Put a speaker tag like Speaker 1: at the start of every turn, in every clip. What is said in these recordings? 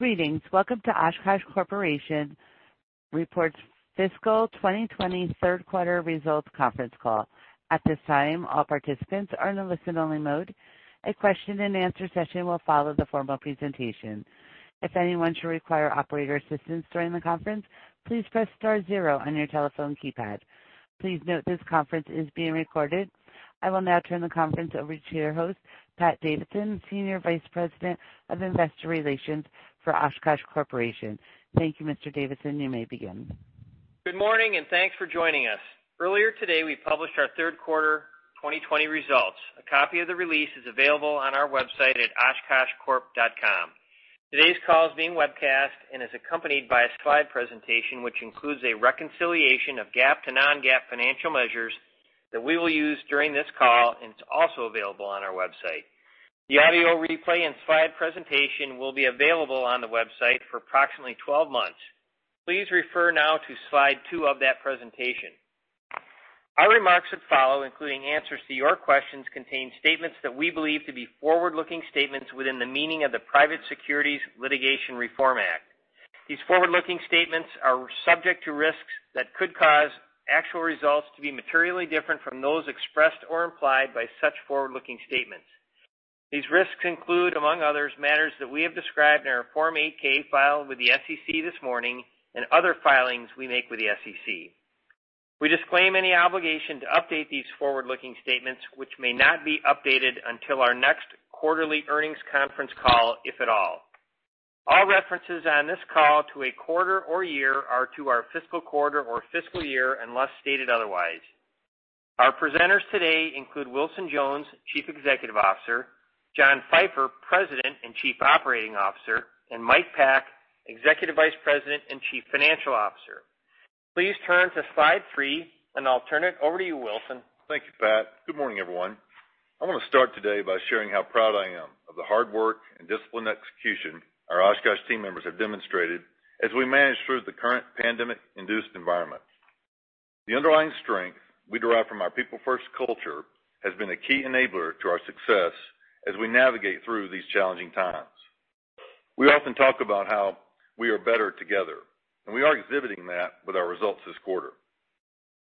Speaker 1: Greetings. Welcome to Oshkosh Corporation's Fiscal 2020 Third Quarter Results Conference Call. At this time, all participants are in a listen-only mode. A question-and-answer session will follow the formal presentation. If anyone should require operator assistance during the conference, please press star zero on your telephone keypad. Please note, this conference is being recorded. I will now turn the conference over to your host, Pat Davidson, Senior Vice President of Investor Relations for Oshkosh Corporation. Thank you, Mr. Davidson, you may begin.
Speaker 2: Good morning, and thanks for joining us. Earlier today, we published our third quarter 2020 results. A copy of the release is available on our website at oshkoshcorp.com. Today's call is being webcast and is accompanied by a slide presentation, which includes a reconciliation of GAAP to non-GAAP financial measures that we will use during this call, and it's also available on our website. The audio replay and slide presentation will be available on the website for approximately 12 months. Please refer now to slide two of that presentation. Our remarks that follow, including answers to your questions, contain statements that we believe to be forward-looking statements within the meaning of the Private Securities Litigation Reform Act. These forward-looking statements are subject to risks that could cause actual results to be materially different from those expressed or implied by such forward-looking statements. These risks include, among others, matters that we have described in our Form 8-K filed with the SEC this morning and other filings we make with the SEC. We disclaim any obligation to update these forward-looking statements, which may not be updated until our next quarterly earnings conference call, if at all. All references on this call to a quarter or year are to our fiscal quarter or fiscal year, unless stated otherwise. Our presenters today include Wilson Jones, Chief Executive Officer, John Pfeifer, President and Chief Operating Officer, and Mike Pack, Executive Vice President and Chief Financial Officer. Please turn to slide three, and I'll turn it over to you, Wilson.
Speaker 3: Thank you, Pat. Good morning, everyone. I want to start today by sharing how proud I am of the hard work and disciplined execution our Oshkosh team members have demonstrated as we manage through the current pandemic-induced environment. The underlying strength we derive from our people-first culture has been a key enabler to our success as we navigate through these challenging times. We often talk about how we are better together, and we are exhibiting that with our results this quarter.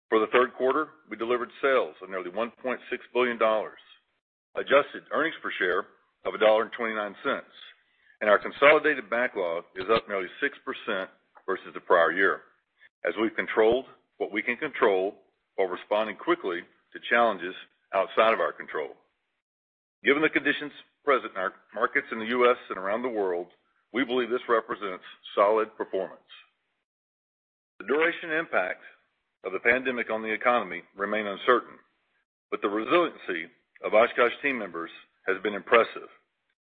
Speaker 3: For the third quarter, we delivered sales of nearly $1.6 billion, adjusted earnings per share of $1.29, and our consolidated backlog is up nearly 6% versus the prior year, as we've controlled what we can control while responding quickly to challenges outside of our control. Given the conditions present in our markets in the U.S. and around the world, we believe this represents solid performance. The duration and impact of the pandemic on the economy remains uncertain, but the resiliency of Oshkosh team members has been impressive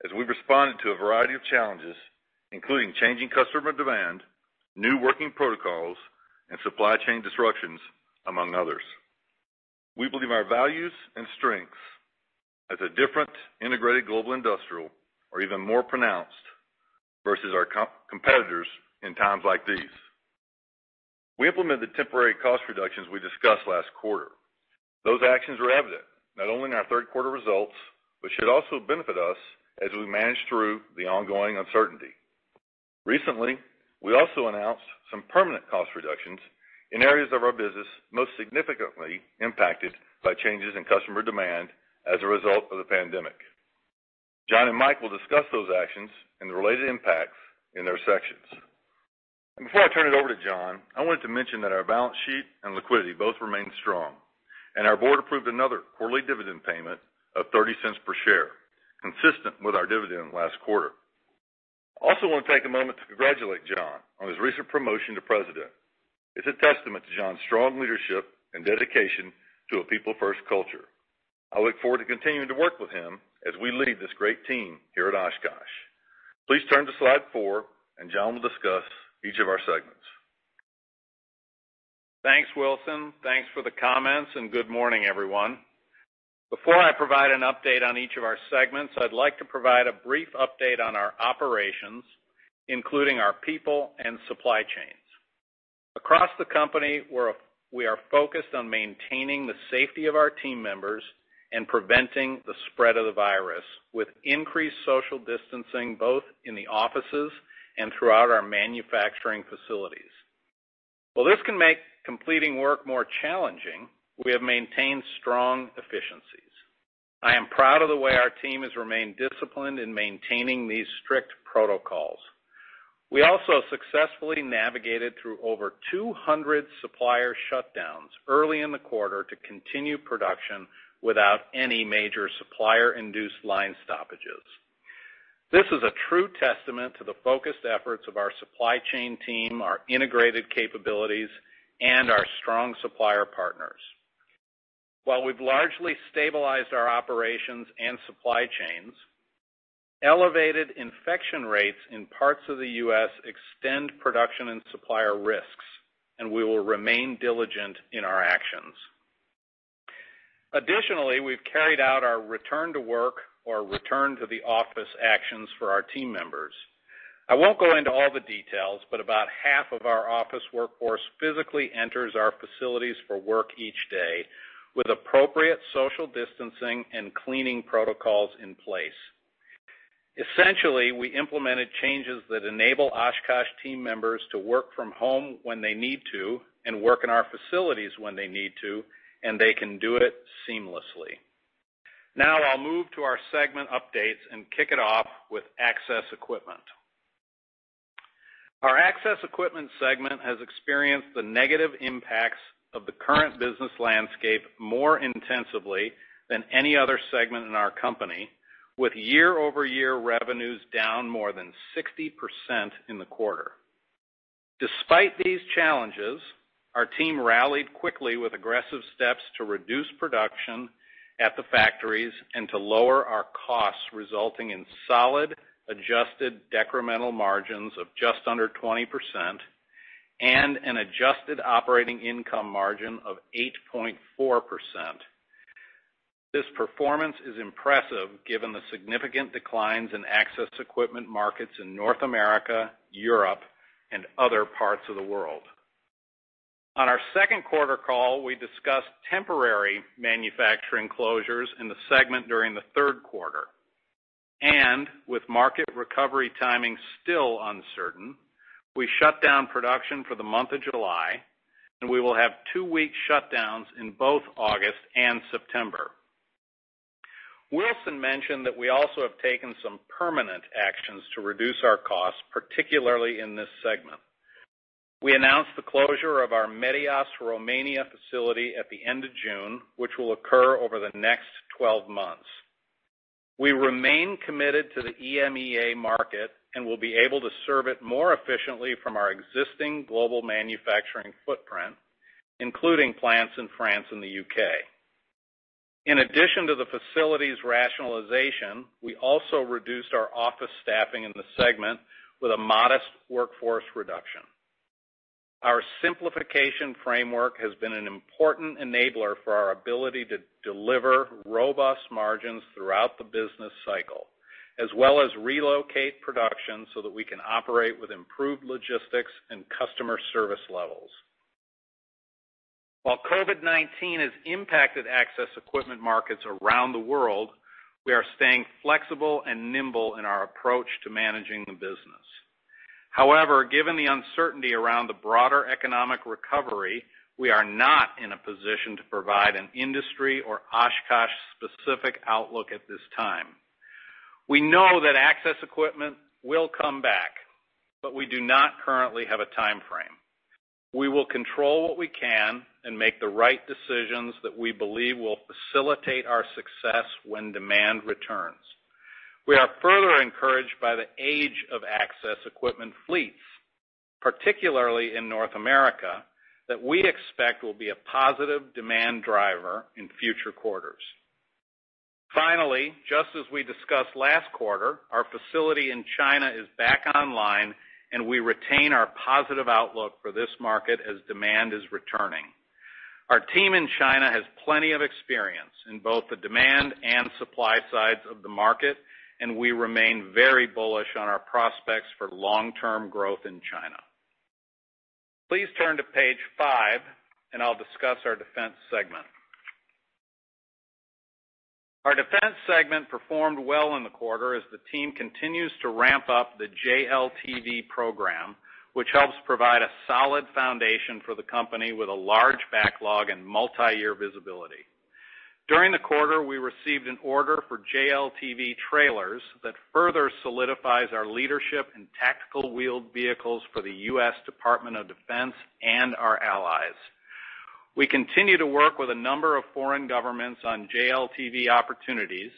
Speaker 3: as we've responded to a variety of challenges, including changing customer demand, new working protocols, and supply chain disruptions, among others. We believe our values and strengths as a differentiated, integrated global industrial are even more pronounced versus our competitors in times like these. We implemented temporary cost reductions we discussed last quarter. Those actions are evident not only in our third quarter results, but should also benefit us as we manage through the ongoing uncertainty. Recently, we also announced some permanent cost reductions in areas of our business, most significantly impacted by changes in customer demand as a result of the pandemic. John and Mike will discuss those actions and the related impacts in their sections. Before I turn it over to John, I wanted to mention that our balance sheet and liquidity both remain strong, and our board approved another quarterly dividend payment of $0.30 per share, consistent with our dividend last quarter. I also want to take a moment to congratulate John on his recent promotion to President. It's a testament to John's strong leadership and dedication to a people-first culture. I look forward to continuing to work with him as we lead this great team here at Oshkosh. Please turn to slide four, and John will discuss each of our segments.
Speaker 4: Thanks, Wilson. Thanks for the comments, and good morning, everyone. Before I provide an update on each of our segments, I'd like to provide a brief update on our operations, including our people and supply chains. Across the company, we are focused on maintaining the safety of our team members and preventing the spread of the virus, with increased social distancing, both in the offices and throughout our manufacturing facilities. While this can make completing work more challenging, we have maintained strong efficiencies. I am proud of the way our team has remained disciplined in maintaining these strict protocols. We also successfully navigated through over 200 supplier shutdowns early in the quarter to continue production without any major supplier-induced line stoppages. This is a true testament to the focused efforts of our supply chain team, our integrated capabilities, and our strong supplier partners. While we've largely stabilized our operations and supply chains, elevated infection rates in parts of the U.S. extend production and supplier risks, and we will remain diligent in our actions. Additionally, we've carried out our return to work or return to the office actions for our team members. I won't go into all the details, but about half of our office workforce physically enters our facilities for work each day, with appropriate social distancing and cleaning protocols in place... Essentially, we implemented changes that enable Oshkosh team members to work from home when they need to and work in our facilities when they need to, and they can do it seamlessly. Now I'll move to our segment updates and kick it off with Access Equipment. Our Access Equipment segment has experienced the negative impacts of the current business landscape more intensively than any other segment in our company, with year-over-year revenues down more than 60% in the quarter. Despite these challenges, our team rallied quickly with aggressive steps to reduce production at the factories and to lower our costs, resulting in solid adjusted decremental margins of just under 20% and an adjusted operating income margin of 8.4%. This performance is impressive, given the significant declines in Access Equipment markets in North America, Europe, and other parts of the world. On our second quarter call, we discussed temporary manufacturing closures in the segment during the third quarter, and with market recovery timing still uncertain, we shut down production for the month of July, and we will have two-week shutdowns in both August and September. Wilson mentioned that we also have taken some permanent actions to reduce our costs, particularly in this segment. We announced the closure of our Medias, Romania facility at the end of June, which will occur over the next 12 months. We remain committed to the EMEA market and will be able to serve it more efficiently from our existing global manufacturing footprint, including plants in France and the U.K. In addition to the facilities rationalization, we also reduced our office staffing in the segment with a modest workforce reduction. Our Simplification Framework has been an important enabler for our ability to deliver robust margins throughout the business cycle, as well as relocate production so that we can operate with improved logistics and customer service levels. While COVID-19 has impacted Access Equipment markets around the world, we are staying flexible and nimble in our approach to managing the business. However, given the uncertainty around the broader economic recovery, we are not in a position to provide an industry or Oshkosh-specific outlook at this time. We know that Access Equipment will come back, but we do not currently have a timeframe. We will control what we can and make the right decisions that we believe will facilitate our success when demand returns. We are further encouraged by the age of Access Equipment fleets, particularly in North America, that we expect will be a positive demand driver in future quarters. Finally, just as we discussed last quarter, our facility in China is back online, and we retain our positive outlook for this market as demand is returning. Our team in China has plenty of experience in both the demand and supply sides of the market, and we remain very bullish on our prospects for long-term growth in China. Please turn to page five, and I'll discuss our Defense segment. Our Defense segment performed well in the quarter as the team continues to ramp up the JLTV program, which helps provide a solid foundation for the company with a large backlog and multiyear visibility. During the quarter, we received an order for JLTV trailers that further solidifies our leadership in tactical wheeled vehicles for the U.S. Department of Defense and our allies. We continue to work with a number of foreign governments on JLTV opportunities,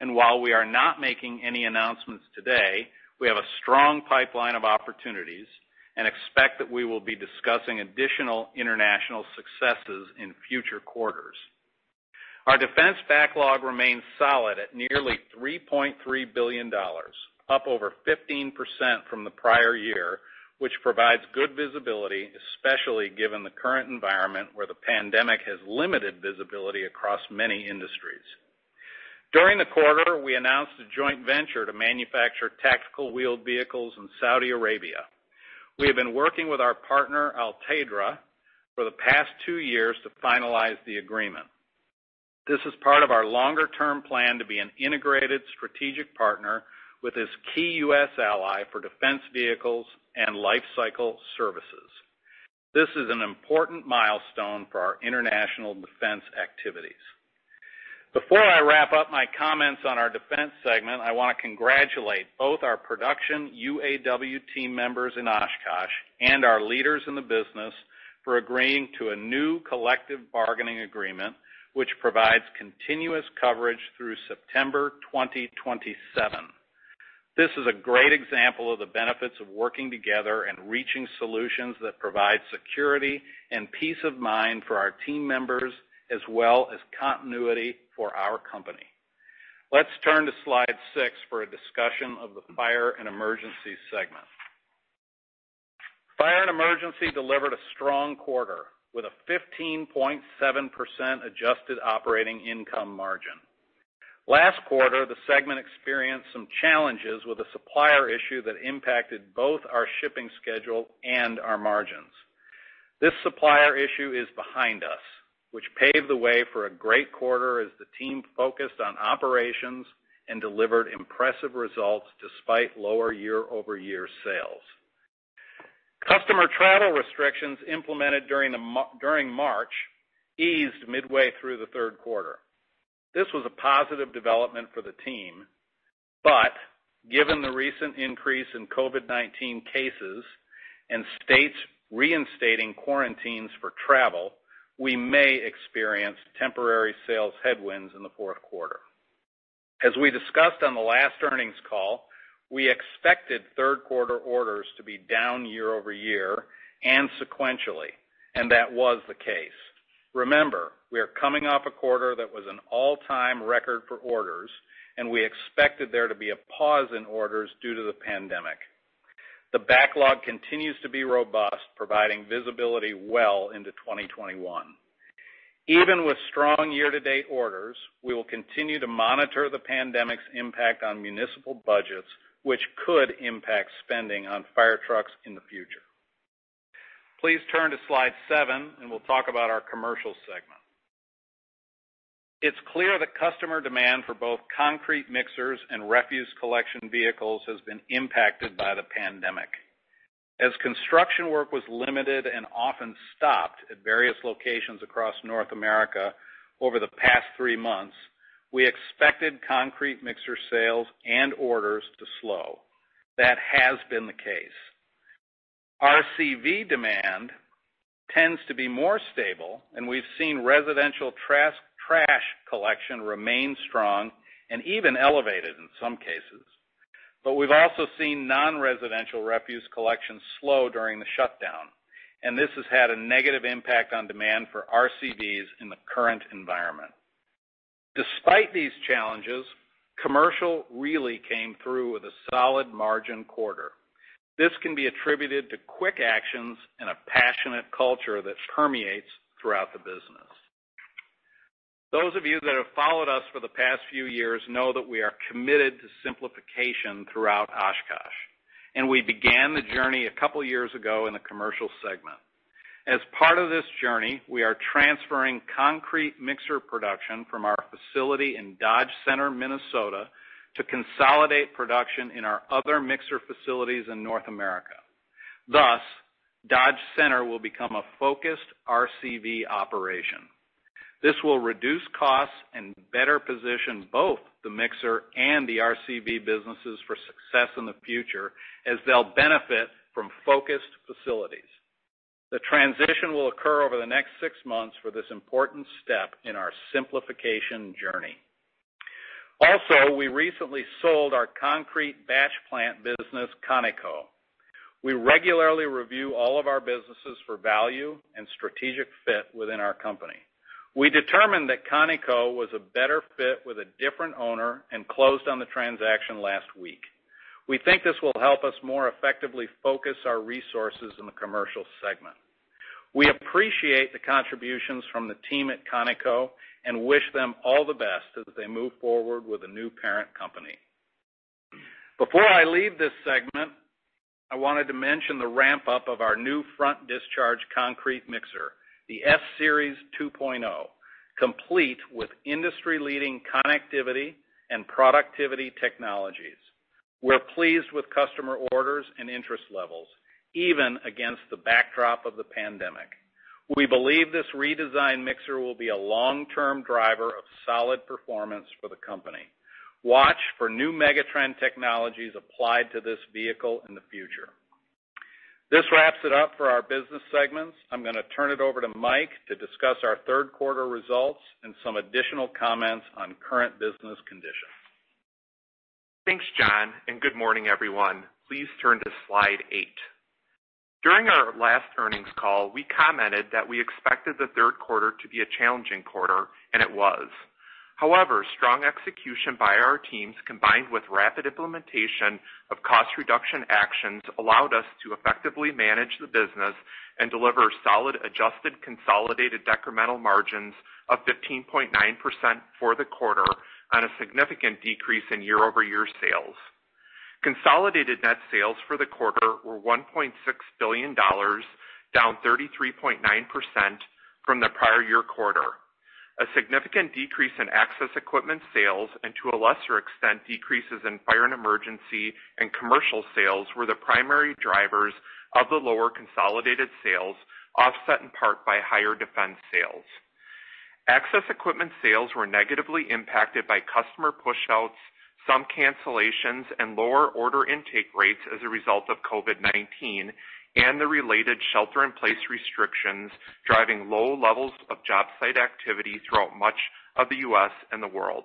Speaker 4: and while we are not making any announcements today, we have a strong pipeline of opportunities and expect that we will be discussing additional international successes in future quarters. Our Defense backlog remains solid at nearly $3.3 billion, up over 15% from the prior year, which provides good visibility, especially given the current environment, where the pandemic has limited visibility across many industries. During the quarter, we announced a joint venture to manufacture tactical wheeled vehicles in Saudi Arabia. We have been working with our partner, Al-Tadrea, for the past two years to finalize the agreement. This is part of our longer-term plan to be an integrated strategic partner with this key U.S. ally for Defense vehicles and life cycle services. This is an important milestone for our international Defense activities. Before I wrap up my comments on our Defense segment, I want to congratulate both our production UAW team members in Oshkosh and our leaders in the business for agreeing to a new collective bargaining agreement, which provides continuous coverage through September 2027. This is a great example of the benefits of working together and reaching solutions that provide security and peace of mind for our team members, as well as continuity for our company. Let's turn to slide six for a discussion of the Fire & Emergency segment. Fire & Emergency delivered a strong quarter with a 15.7% adjusted operating income margin. Last quarter, the segment experienced some challenges with a supplier issue that impacted both our shipping schedule and our margins. This supplier issue is behind us, which paved the way for a great quarter as the team focused on operations and delivered impressive results despite lower year-over-year sales. Customer travel restrictions implemented during March eased midway through the third quarter. This was a positive development for the team, but given the recent increase in COVID-19 cases and states reinstating quarantines for travel, we may experience temporary sales headwinds in the fourth quarter. As we discussed on the last earnings call, we expected third quarter orders to be down year-over-year and sequentially, and that was the case. Remember, we are coming off a quarter that was an all-time record for orders, and we expected there to be a pause in orders due to the pandemic. The backlog continues to be robust, providing visibility well into 2021. Even with strong year-to-date orders, we will continue to monitor the pandemic's impact on municipal budgets, which could impact spending on fire trucks in the future. Please turn to slide seven, and we'll talk about our Commercial segment. It's clear that customer demand for both concrete mixers and refuse collection vehicles has been impacted by the pandemic. As construction work was limited and often stopped at various locations across North America over the past three months, we expected concrete mixer sales and orders to slow. That has been the case. RCV demand tends to be more stable, and we've seen residential trash collection remain strong and even elevated in some cases. But we've also seen non-residential refuse collection slow during the shutdown, and this has had a negative impact on demand for RCVs in the current environment. Despite these challenges, Commercial really came through with a solid margin quarter. This can be attributed to quick actions and a passionate culture that permeates throughout the business. Those of you that have followed us for the past few years know that we are committed to simplification throughout Oshkosh, and we began the journey a couple of years ago in the Commercial segment. As part of this journey, we are transferring concrete mixer production from our facility in Dodge Center, Minnesota, to consolidate production in our other mixer facilities in North America. Thus, Dodge Center will become a focused RCV operation. This will reduce costs and better position both the mixer and the RCV businesses for success in the future as they'll benefit from focused facilities. The transition will occur over the next six months for this important step in our simplification journey. Also, we recently sold our concrete batch plant business, CON-E-CO. We regularly review all of our businesses for value and strategic fit within our company. We determined that CON-E-CO was a better fit with a different owner and closed on the transaction last week. We think this will help us more effectively focus our resources in the Commercial segment. We appreciate the contributions from the team at CON-E-CO and wish them all the best as they move forward with a new parent company. Before I leave this segment, I wanted to mention the ramp-up of our new front discharge concrete mixer, the F-Series 2.0, complete with industry-leading connectivity and productivity technologies. We're pleased with customer orders and interest levels, even against the backdrop of the pandemic. We believe this redesigned mixer will be a long-term driver of solid performance for the company. Watch for new megatrend technologies applied to this vehicle in the future. This wraps it up for our business segments. I'm gonna turn it over to Mike to discuss our third quarter results and some additional comments on current business conditions.
Speaker 5: Thanks, John, and good morning, everyone. Please turn to slide eight. During our last earnings call, we commented that we expected the third quarter to be a challenging quarter, and it was. However, strong execution by our teams, combined with rapid implementation of cost reduction actions, allowed us to effectively manage the business and deliver solid adjusted consolidated decremental margins of 15.9% for the quarter on a significant decrease in year-over-year sales. Consolidated net sales for the quarter were $1.6 billion, down 33.9% from the prior year quarter. A significant decrease in Access Equipment sales, and to a lesser extent, decreases in Fire & Emergency and Commercial sales, were the primary drivers of the lower consolidated sales, offset in part by higher Defense sales. Access Equipment sales were negatively impacted by customer pushouts, some cancellations, and lower order intake rates as a result of COVID-19 and the related shelter-in-place restrictions, driving low levels of job site activity throughout much of the U.S. and the world.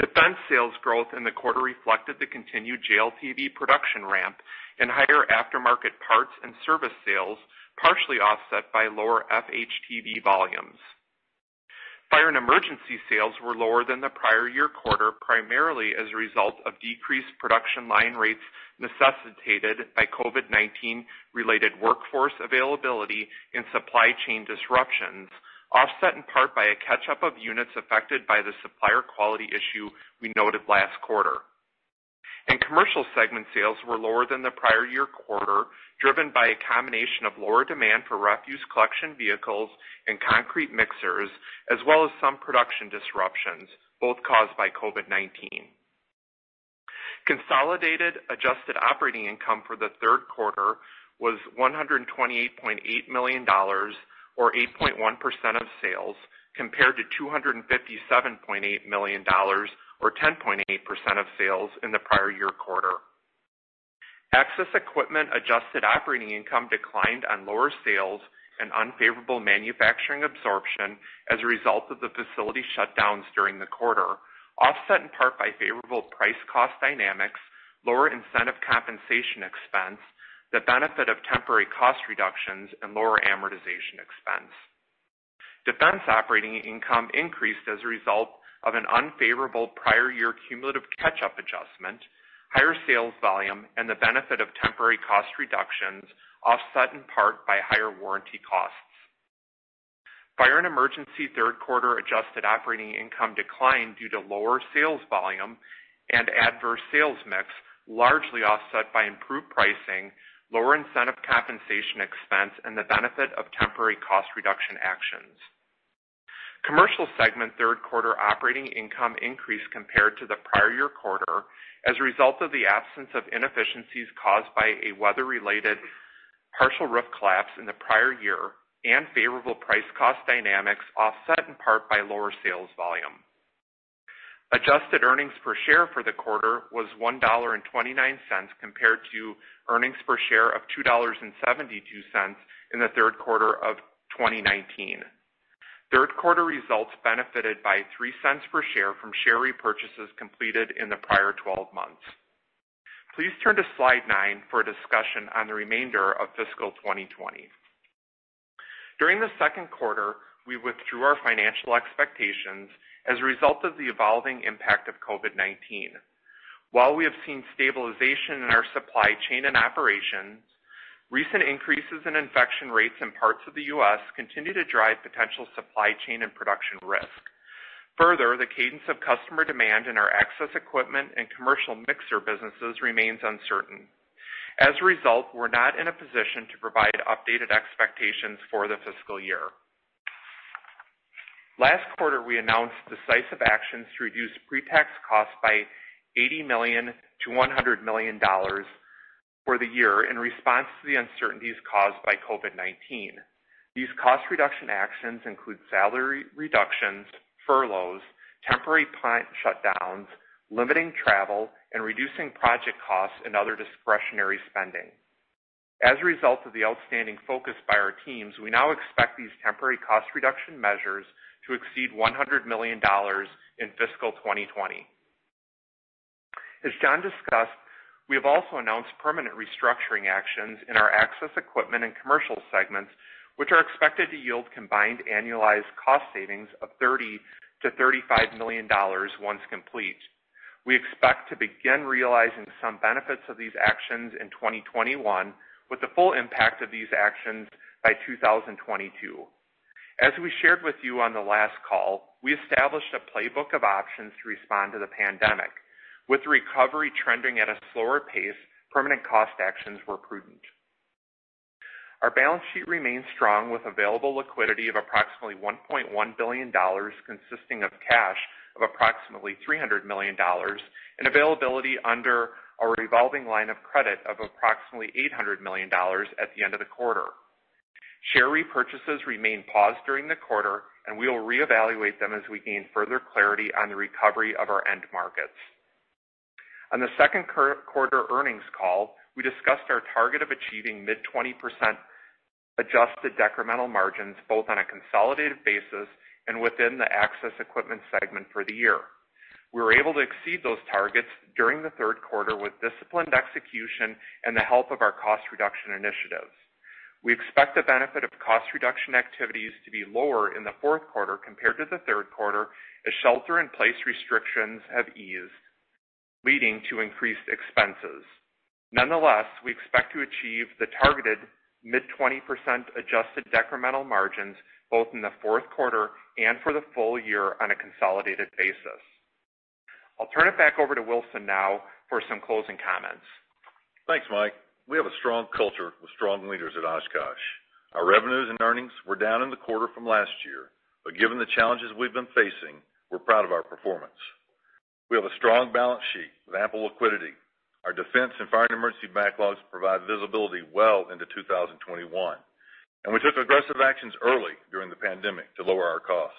Speaker 5: Defense sales growth in the quarter reflected the continued JLTV production ramp and higher aftermarket parts and service sales, partially offset by lower FHTV volumes. Fire & Emergency sales were lower than the prior year quarter, primarily as a result of decreased production line rates necessitated by COVID-19 related workforce availability and supply chain disruptions, offset in part by a catch-up of units affected by the supplier quality issue we noted last quarter.... Commercial segment sales were lower than the prior year quarter, driven by a combination of lower demand for refuse collection vehicles and concrete mixers, as well as some production disruptions, both caused by COVID-19. Consolidated adjusted operating income for the third quarter was $128.8 million, or 8.1% of sales, compared to $257.8 million, or 10.8% of sales, in the prior year quarter. Access Equipment adjusted operating income declined on lower sales and unfavorable manufacturing absorption as a result of the facility shutdowns during the quarter, offset in part by favorable price cost dynamics, lower incentive compensation expense, the benefit of temporary cost reductions, and lower amortization expense. Defense operating income increased as a result of an unfavorable prior year cumulative catch-up adjustment, higher sales volume, and the benefit of temporary cost reductions, offset in part by higher warranty costs. Fire & Emergency third quarter adjusted operating income declined due to lower sales volume and adverse sales mix, largely offset by improved pricing, lower incentive compensation expense, and the benefit of temporary cost reduction actions. Commercial segment third quarter operating income increased compared to the prior year quarter as a result of the absence of inefficiencies caused by a weather-related partial roof collapse in the prior year and favorable price cost dynamics, offset in part by lower sales volume. Adjusted earnings per share for the quarter was $1.29, compared to earnings per share of $2.72 in the third quarter of 2019. Third quarter results benefited by $0.03 per share from share repurchases completed in the prior twelve months. Please turn to slide 9 for a discussion on the remainder of fiscal 2020. During the second quarter, we withdrew our financial expectations as a result of the evolving impact of COVID-19. While we have seen stabilization in our supply chain and operations, recent increases in infection rates in parts of the U.S. continue to drive potential supply chain and production risk. Further, the cadence of customer demand in our Access Equipment and Commercial mixer businesses remains uncertain. As a result, we're not in a position to provide updated expectations for the fiscal year. Last quarter, we announced decisive actions to reduce pre-tax costs by $80 million-$100 million for the year in response to the uncertainties caused by COVID-19. These cost reduction actions include salary reductions, furloughs, temporary plant shutdowns, limiting travel, and reducing project costs and other discretionary spending. As a result of the outstanding focus by our teams, we now expect these temporary cost reduction measures to exceed $100 million in fiscal 2020. As John discussed, we have also announced permanent restructuring actions in our Access Equipment and Commercial segments, which are expected to yield combined annualized cost savings of $30 million-$35 million once complete. We expect to begin realizing some benefits of these actions in 2021, with the full impact of these actions by 2022. As we shared with you on the last call, we established a playbook of options to respond to the pandemic. With recovery trending at a slower pace, permanent cost actions were prudent. Our balance sheet remains strong, with available liquidity of approximately $1.1 billion, consisting of cash of approximately $300 million, and availability under our revolving line of credit of approximately $800 million at the end of the quarter. Share repurchases remained paused during the quarter, and we will reevaluate them as we gain further clarity on the recovery of our end markets. On the second quarter earnings call, we discussed our target of achieving mid-20% adjusted decremental margins, both on a consolidated basis and within the Access Equipment segment for the year. We were able to exceed those targets during the third quarter with disciplined execution and the help of our cost reduction initiatives. We expect the benefit of cost reduction activities to be lower in the fourth quarter compared to the third quarter, as shelter-in-place restrictions have eased, leading to increased expenses. Nonetheless, we expect to achieve the targeted mid-20% adjusted decremental margins, both in the fourth quarter and for the full year on a consolidated basis. I'll turn it back over to Wilson now for some closing comments.
Speaker 3: Thanks, Mike. We have a strong culture with strong leaders at Oshkosh. Our revenues and earnings were down in the quarter from last year, but given the challenges we've been facing, we're proud of our performance. We have a strong balance sheet with ample liquidity. Our Defense and Fire & Emergency backlogs provide visibility well into 2021, and we took aggressive actions early during the pandemic to lower our costs.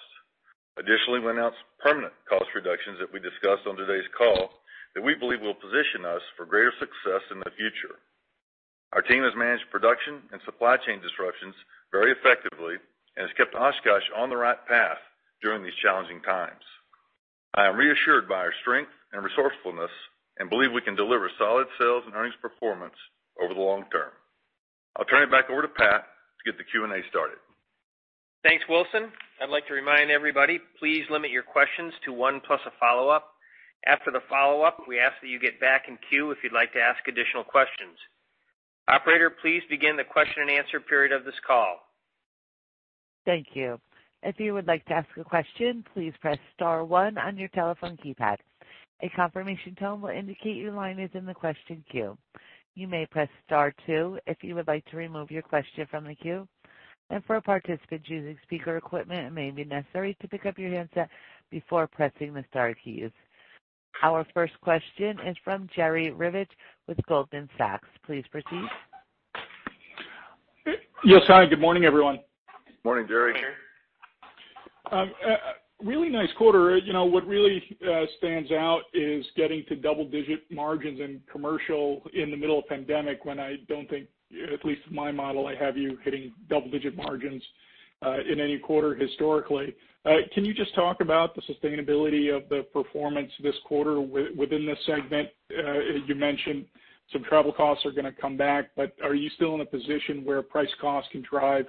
Speaker 3: Additionally, we announced permanent cost reductions that we discussed on today's call that we believe will position us for greater success in the future. Our team has managed production and supply chain disruptions very effectively and has kept Oshkosh on the right path during these challenging times. I am reassured by our strength and resourcefulness and believe we can deliver solid sales and earnings performance over the long term. I'll turn it back over to Pat to get the Q&A started.
Speaker 2: Thanks, Wilson. I'd like to remind everybody, please limit your questions to one plus a follow-up. After the follow-up, we ask that you get back in queue if you'd like to ask additional questions. Operator, please begin the question and answer period of this call....
Speaker 1: Thank you. If you would like to ask a question, please press star one on your telephone keypad. A confirmation tone will indicate your line is in the question queue. You may press star two if you would like to remove your question from the queue. For a participant using speaker equipment, it may be necessary to pick up your handset before pressing the star keys. Our first question is from Jerry Revich with Goldman Sachs. Please proceed.
Speaker 6: Yes, hi, good morning, everyone.
Speaker 4: Morning, Jerry.
Speaker 6: Really nice quarter. You know, what really stands out is getting to double-digit margins in Commercial in the middle of pandemic, when I don't think, at least in my model, I have you hitting double-digit margins in any quarter historically. Can you just talk about the sustainability of the performance this quarter within this segment? You mentioned some travel costs are gonna come back, but are you still in a position where price cost can drive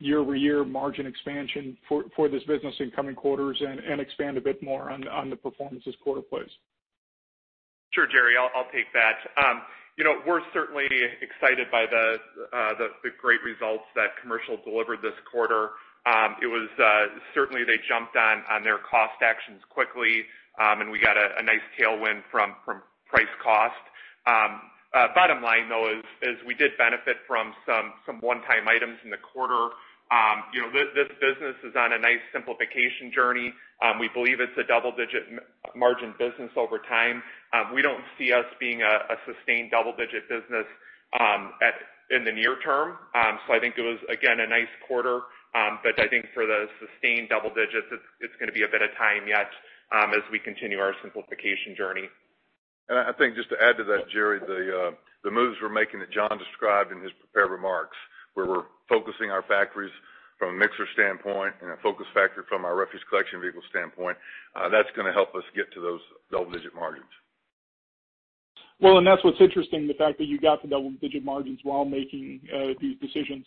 Speaker 6: year-over-year margin expansion for this business in coming quarters? And expand a bit more on the performance this quarter, please.
Speaker 5: Sure, Jerry, I'll take that. You know, we're certainly excited by the great results that Commercial delivered this quarter. It was certainly they jumped on their cost actions quickly, and we got a nice tailwind from price cost. Bottom line, though, is we did benefit from some one-time items in the quarter. You know, this business is on a nice simplification journey. We believe it's a double digit margin business over time. We don't see us being a sustained double digit business in the near term. So I think it was, again, a nice quarter, but I think for the sustained double digits, it's gonna be a bit of time yet, as we continue our simplification journey.
Speaker 3: I think just to add to that, Jerry, the moves we're making that John described in his prepared remarks, where we're focusing our factories from a mixer standpoint and a focus factory from our refuse collection vehicle standpoint, that's gonna help us get to those double digit margins.
Speaker 6: Well, and that's what's interesting, the fact that you got the double-digit margins while making these decisions.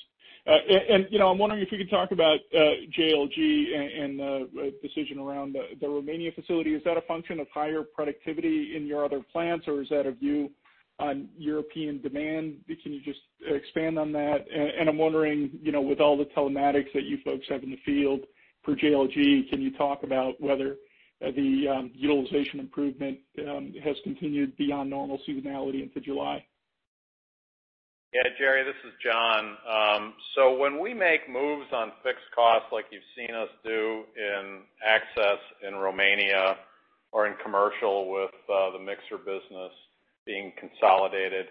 Speaker 6: You know, I'm wondering if you could talk about JLG and the decision around the Romania facility. Is that a function of higher productivity in your other plants, or is that a view on European demand? Can you just expand on that? And I'm wondering, you know, with all the telematics that you folks have in the field for JLG, can you talk about whether the utilization improvement has continued beyond normal seasonality into July?
Speaker 4: Yeah, Jerry, this is John. So when we make moves on fixed costs, like you've seen us do in Access in Romania or in Commercial with the mixer business being consolidated,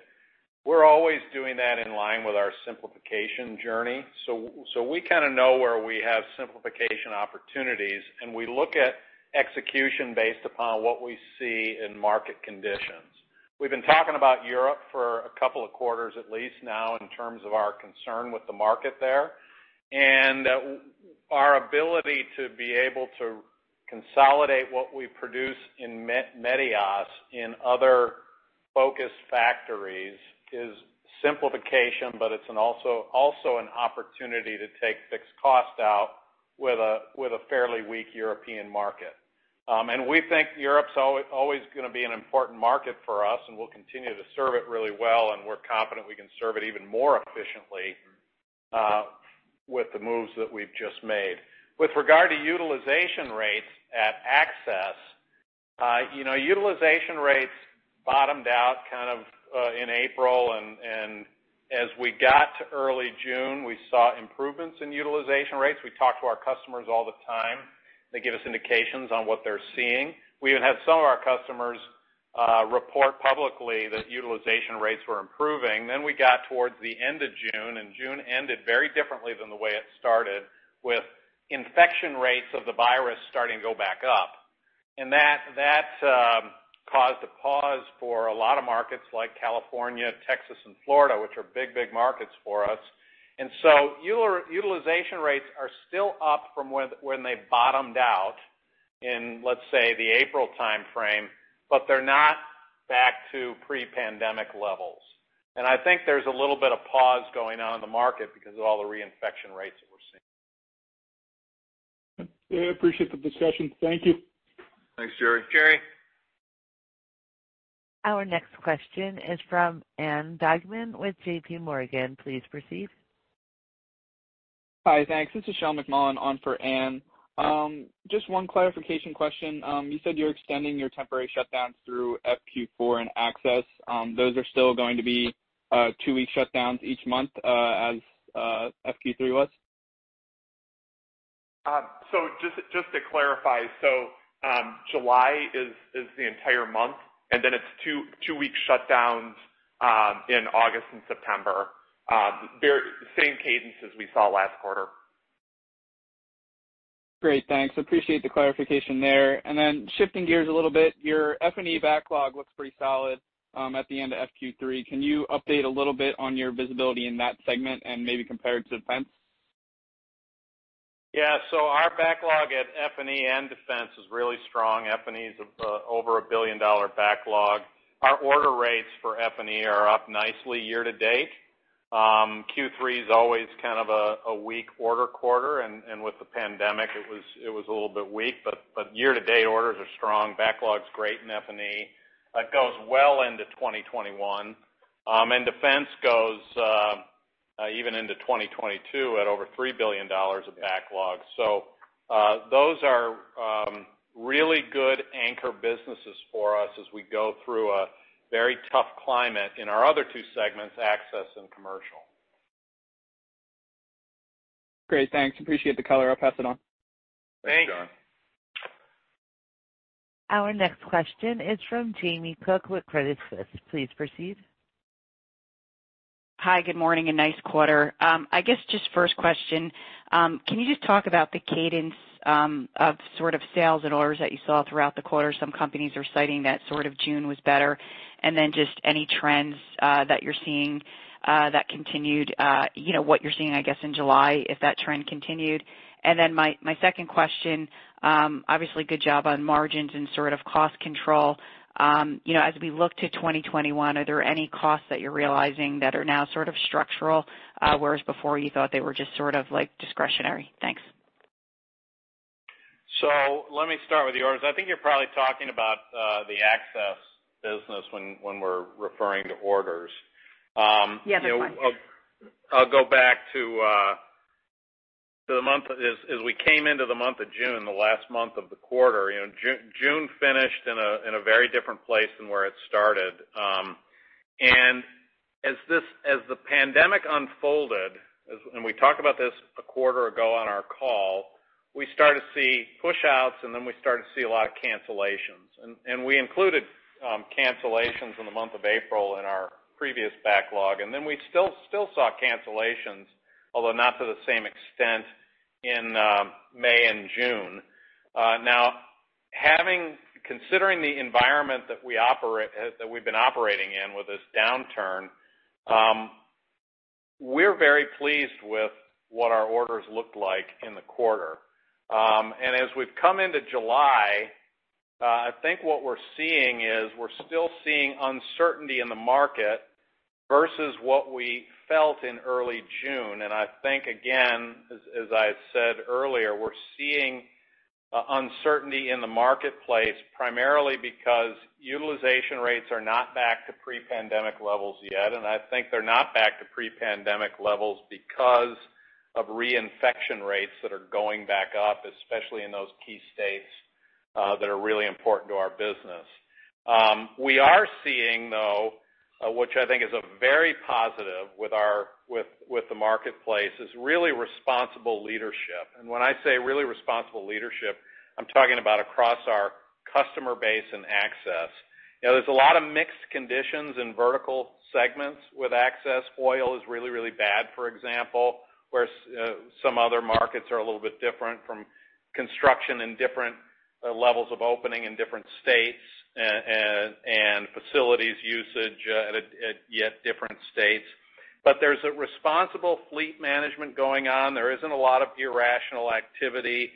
Speaker 4: we're always doing that in line with our simplification journey. So we kind of know where we have simplification opportunities, and we look at execution based upon what we see in market conditions. We've been talking about Europe for a couple of quarters, at least now, in terms of our concern with the market there. And our ability to be able to consolidate what we produce in Medias in other focus factories is simplification, but it's also an opportunity to take fixed cost out with a fairly weak European market. And we think Europe's always gonna be an important market for us, and we'll continue to serve it really well, and we're confident we can serve it even more efficiently with the moves that we've just made. With regard to utilization rates at Access, you know, utilization rates bottomed out kind of in April, and as we got to early June, we saw improvements in utilization rates. We talk to our customers all the time. They give us indications on what they're seeing. We even had some of our customers report publicly that utilization rates were improving. Then we got towards the end of June, and June ended very differently than the way it started, with infection rates of the virus starting to go back up. And that caused a pause for a lot of markets like California, Texas, and Florida, which are big, big markets for us. And so utilization rates are still up from when they bottomed out in, let's say, the April timeframe, but they're not back to pre-pandemic levels. And I think there's a little bit of pause going on in the market because of all the reinfection rates that we're seeing.
Speaker 6: I appreciate the discussion. Thank you.
Speaker 3: Thanks, Jerry.
Speaker 4: Jerry.
Speaker 1: Our next question is from Ann Duignan with JPMorgan. Please proceed.
Speaker 7: Hi, thanks. This is Sean McMullen on for Ann. Just one clarification question. You said you're extending your temporary shutdowns through FQ4 and Access. Those are still going to be two-week shutdowns each month, as FQ3 was?
Speaker 5: So just to clarify, July is the entire month, and then it's two two-week shutdowns in August and September. Very same cadence as we saw last quarter.
Speaker 7: Great, thanks. Appreciate the clarification there. And then shifting gears a little bit, your F&E backlog looks pretty solid at the end of FQ3. Can you update a little bit on your visibility in that segment and maybe compare it to Defense?
Speaker 4: Yeah, so our backlog at F&E and Defense is really strong. F&E is over $1 billion backlog. Our order rates for F&E are up nicely year to date. Q3 is always kind of a weak order quarter, and with the pandemic, it was a little bit weak, but year to date, orders are strong, backlog's great in F&E. That goes well into 2021. And Defense goes even into 2022 at over $3 billion of backlog. So, those are really good anchor businesses for us as we go through a very tough climate in our other two segments, Access and Commercial.
Speaker 8: Great, thanks. Appreciate the color. I'll pass it on.
Speaker 4: Thanks.
Speaker 5: Thanks, John.
Speaker 1: Our next question is from Jamie Cook with Credit Suisse. Please proceed.
Speaker 9: Hi, good morning, and nice quarter. I guess just first question, can you just talk about the cadence of sort of sales and orders that you saw throughout the quarter? Some companies are citing that sort of June was better, and then just any trends that you're seeing that continued, you know, what you're seeing, I guess, in July, if that trend continued. And then my, my second question, obviously, good job on margins and sort of cost control. You know, as we look to 2021, are there any costs that you're realizing that are now sort of structural, whereas before you thought they were just sort of like discretionary? Thanks.
Speaker 4: Let me start with the orders. I think you're probably talking about the Access business when we're referring to orders.
Speaker 9: Yeah, that's fine.
Speaker 4: I'll go back to the month of June, the last month of the quarter. You know, June finished in a very different place than where it started. And as the pandemic unfolded, and we talked about this a quarter ago on our call, we started to see pushouts, and then we started to see a lot of cancellations. And we included cancellations in the month of April in our previous backlog, and then we still saw cancellations, although not to the same extent in May and June. Now, considering the environment that we operate, that we've been operating in with this downturn, we're very pleased with what our orders looked like in the quarter. As we've come into July, I think what we're seeing is we're still seeing uncertainty in the market versus what we felt in early June. I think, again, as I said earlier, we're seeing uncertainty in the marketplace, primarily because utilization rates are not back to pre-pandemic levels yet, and I think they're not back to pre-pandemic levels because of reinfection rates that are going back up, especially in those key states that are really important to our business. We are seeing, though, which I think is a very positive with the marketplace, is really responsible leadership. When I say really responsible leadership, I'm talking about across our customer base and Access. You know, there's a lot of mixed conditions in vertical segments with Access. Oil is really, really bad, for example, whereas some other markets are a little bit different from construction and different levels of opening in different states, and facilities usage at a, at yet different states. But there's a responsible fleet management going on. There isn't a lot of irrational activity.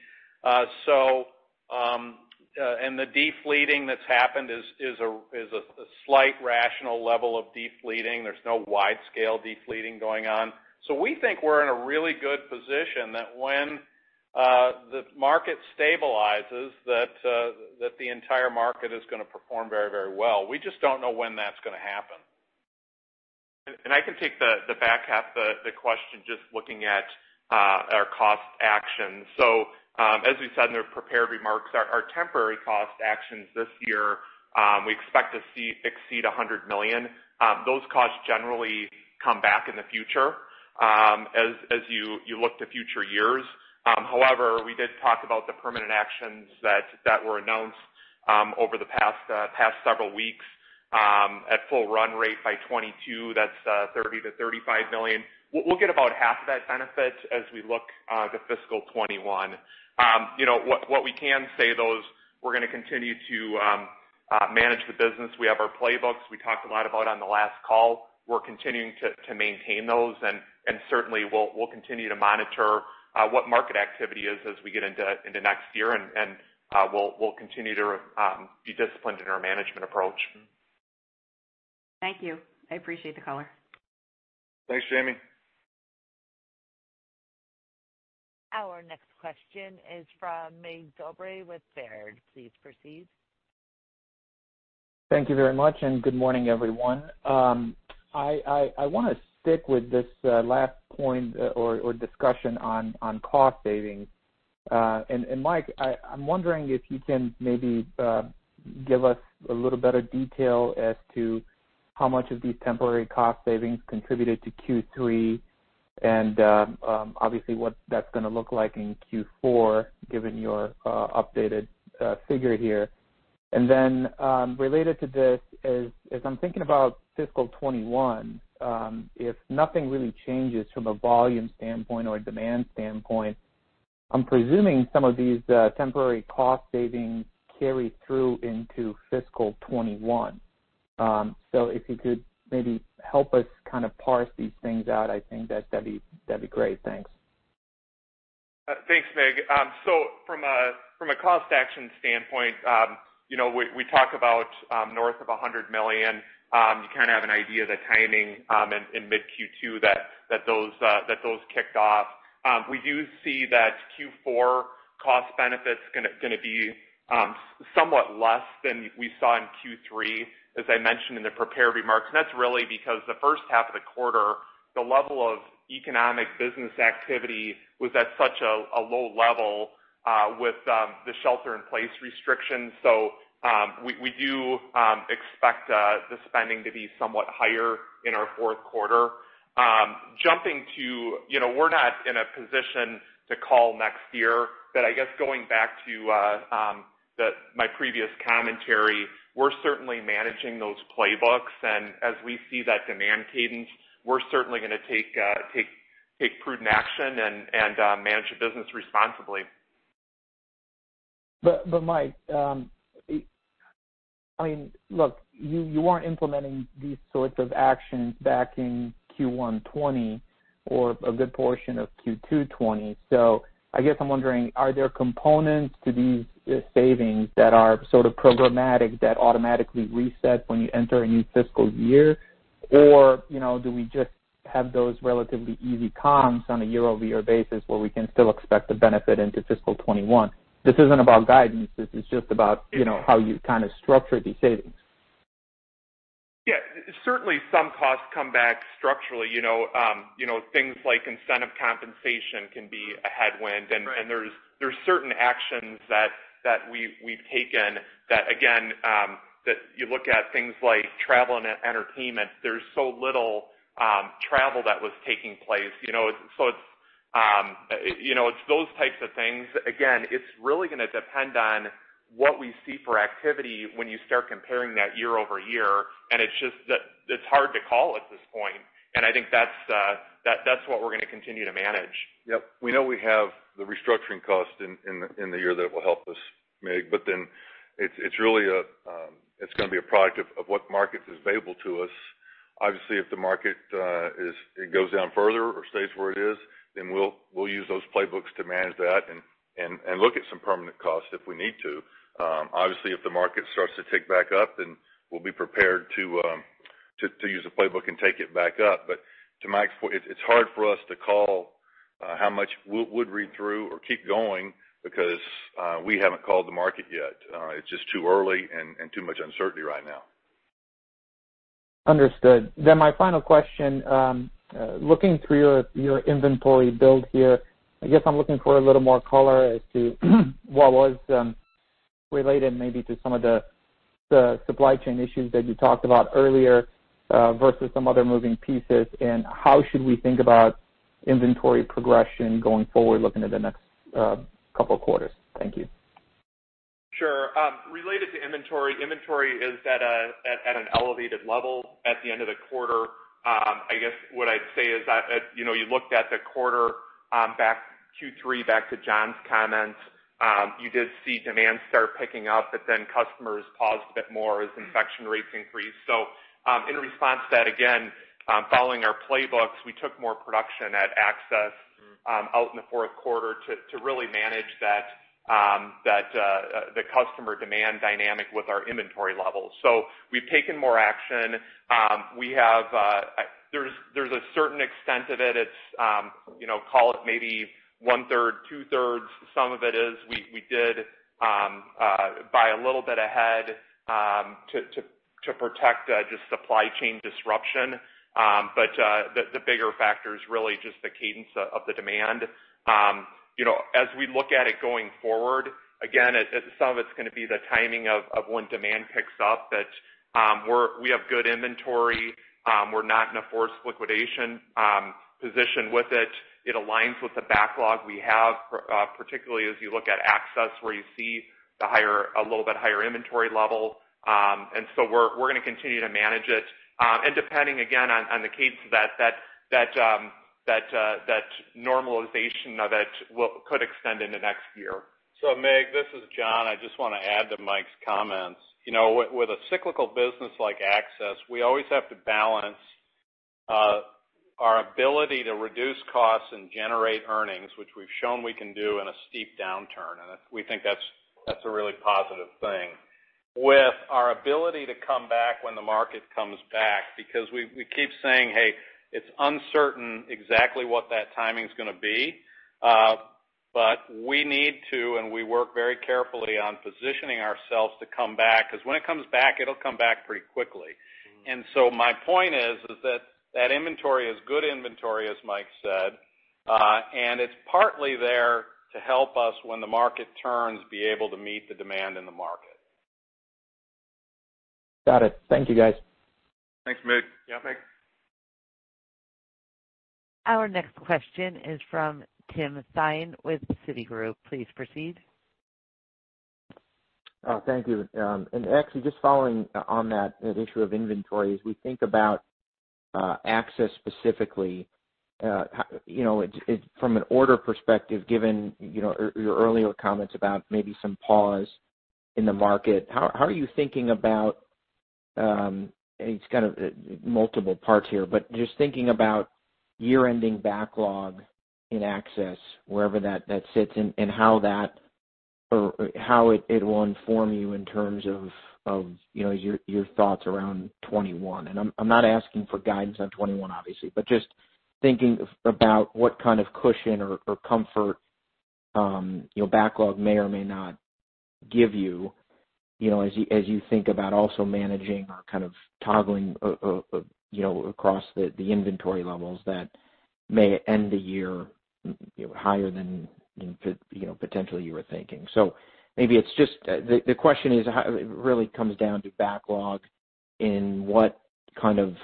Speaker 4: So, and the de-fleeting that's happened is, is a, is a slight rational level of de-fleeting. There's no wide-scale de-fleeting going on. So we think we're in a really good position that when the market stabilizes, that the entire market is gonna perform very, very well. We just don't know when that's gonna happen.
Speaker 5: I can take the back half of the question, just looking at our cost actions. So, as we said in their prepared remarks, our temporary cost actions this year, we expect to see exceed $100 million. Those costs generally come back in the future, as you look to future years. However, we did talk about the permanent actions that were announced over the past several weeks, at full run rate by 2022. That's $30 million-$35 million. We'll get about half of that benefit as we look to fiscal 2021. You know, what we can say, though, is we're gonna continue to manage the business. We have our playbooks we talked a lot about on the last call. We're continuing to maintain those, and certainly, we'll continue to monitor what market activity is as we get into next year, and we'll continue to be disciplined in our management approach.
Speaker 9: Thank you. I appreciate the color.
Speaker 4: Thanks, Jamie.
Speaker 1: Our next question is from Mig Dobre with Baird. Please proceed.
Speaker 8: Thank you very much, and good morning, everyone. I wanna stick with this last point or discussion on cost savings. And Mike, I'm wondering if you can maybe give us a little better detail as to how much of these temporary cost savings contributed to Q3, and obviously, what that's gonna look like in Q4, given your updated figure here. And then, related to this is, as I'm thinking about fiscal 2021, if nothing really changes from a volume standpoint or a demand standpoint, I'm presuming some of these temporary cost savings carry through into fiscal 2021. So if you could maybe help us kind of parse these things out, I think that'd be great. Thanks....
Speaker 5: Thanks, Mig. So from a cost action standpoint, you know, we talk about north of $100 million. You kind of have an idea of the timing in mid-Q2 that those kicked off. We do see that Q4 cost benefits gonna be somewhat less than we saw in Q3, as I mentioned in the prepared remarks. And that's really because the first half of the quarter, the level of economic business activity was at such a low level with the shelter in place restrictions. So we do expect the spending to be somewhat higher in our fourth quarter. Jumping to, you know, we're not in a position to call next year, but I guess going back to my previous commentary, we're certainly managing those playbooks, and as we see that demand cadence, we're certainly gonna take prudent action and manage the business responsibly.
Speaker 8: But Mike, I mean, look, you weren't implementing these sorts of actions back in Q1 2020 or a good portion of Q2 2020. So I guess I'm wondering, are there components to these savings that are sort of programmatic that automatically reset when you enter a new fiscal year? Or, you know, do we just have those relatively easy comps on a year-over-year basis where we can still expect the benefit into fiscal 2021? This isn't about guidance, this is just about, you know, how you kind of structure these savings.
Speaker 5: Yeah, certainly some costs come back structurally, you know, you know, things like incentive compensation can be a headwind.
Speaker 8: Right.
Speaker 5: There's certain actions that we've taken that again, you look at things like travel and entertainment, there's so little travel that was taking place, you know. So it's, you know, it's those types of things. Again, it's really gonna depend on what we see for activity when you start comparing that year-over-year, and it's just that it's hard to call at this point, and I think that's, that's what we're gonna continue to manage.
Speaker 3: Yep. We know we have the restructuring cost in the year that will help us, Mig. But then it's really a product of what markets is available to us. Obviously, if the market goes down further or stays where it is, then we'll use those playbooks to manage that and look at some permanent costs if we need to. Obviously, if the market starts to tick back up, then we'll be prepared to use the playbook and take it back up. But to Mike's point, it's hard for us to call how much will read through or keep going because we haven't called the market yet. It's just too early and too much uncertainty right now.
Speaker 8: Understood. Then my final question, looking through your inventory build here, I guess I'm looking for a little more color as to what was related maybe to some of the supply chain issues that you talked about earlier, versus some other moving pieces. And how should we think about inventory progression going forward, looking at the next couple of quarters? Thank you.
Speaker 5: Sure. Related to inventory, inventory is at an elevated level at the end of the quarter. I guess what I'd say is that, you know, you looked at the quarter, back Q3, back to John's comments, you did see demand start picking up, but then customers paused a bit more as infection rates increased. So, in response to that, again, following our playbooks, we took more production at Access out in the fourth quarter to really manage that the customer demand dynamic with our inventory levels. So we've taken more action. We have, there's a certain extent of it. It's, you know, call it maybe one third, two thirds. Some of it is we did buy a little bit ahead to protect just supply chain disruption. But the bigger factor is really just the cadence of the demand. You know, as we look at it going forward, again, some of it's gonna be the timing of when demand picks up. But we have good inventory. We're not in a forced liquidation position with it. It aligns with the backlog we have, particularly as you look at Access, where you see the higher, a little bit higher inventory level. And so we're gonna continue to manage it. And depending again, on the case that that normalization of it could extend into next year.
Speaker 4: So Mig, this is John. I just wanna add to Mike's comments. You know, with, with a cyclical business like Access, we always have to balance our ability to reduce costs and generate earnings, which we've shown we can do in a steep downturn, and we think that's, that's a really positive thing, with our ability to come back when the market comes back. Because we, we keep saying, "Hey, it's uncertain exactly what that timing's gonna be." But we need to, and we work very carefully on positioning ourselves to come back, because when it comes back, it'll come back pretty quickly.
Speaker 8: Mm-hmm.
Speaker 4: And so my point is that that inventory is good inventory, as Mike said, and it's partly there to help us, when the market turns, be able to meet the demand in the market.
Speaker 8: Got it. Thank you, guys.
Speaker 4: Thanks, Mig.
Speaker 5: Yeah, thanks.
Speaker 1: Our next question is from Tim Thein with Citigroup. Please proceed.
Speaker 10: Thank you. Actually, just following on that, that issue of inventory, as we think about Access specifically, you know, it from an order perspective, given you know your your earlier comments about maybe some pause in the market, how are you thinking about it’s kind of multiple parts here, but just thinking about year-ending backlog in Access, wherever that that sits, and how that or how it will inform you in terms of you know your your thoughts around 2021. And I'm not asking for guidance on 2021, obviously, but just thinking about what kind of cushion or comfort, you know, backlog may or may not give you, you know, as you think about also managing or kind of toggling, you know, across the inventory levels that may end the year, you know, higher than, you know, potentially you were thinking. So maybe it's just the question is how it really comes down to backlog and what kind of,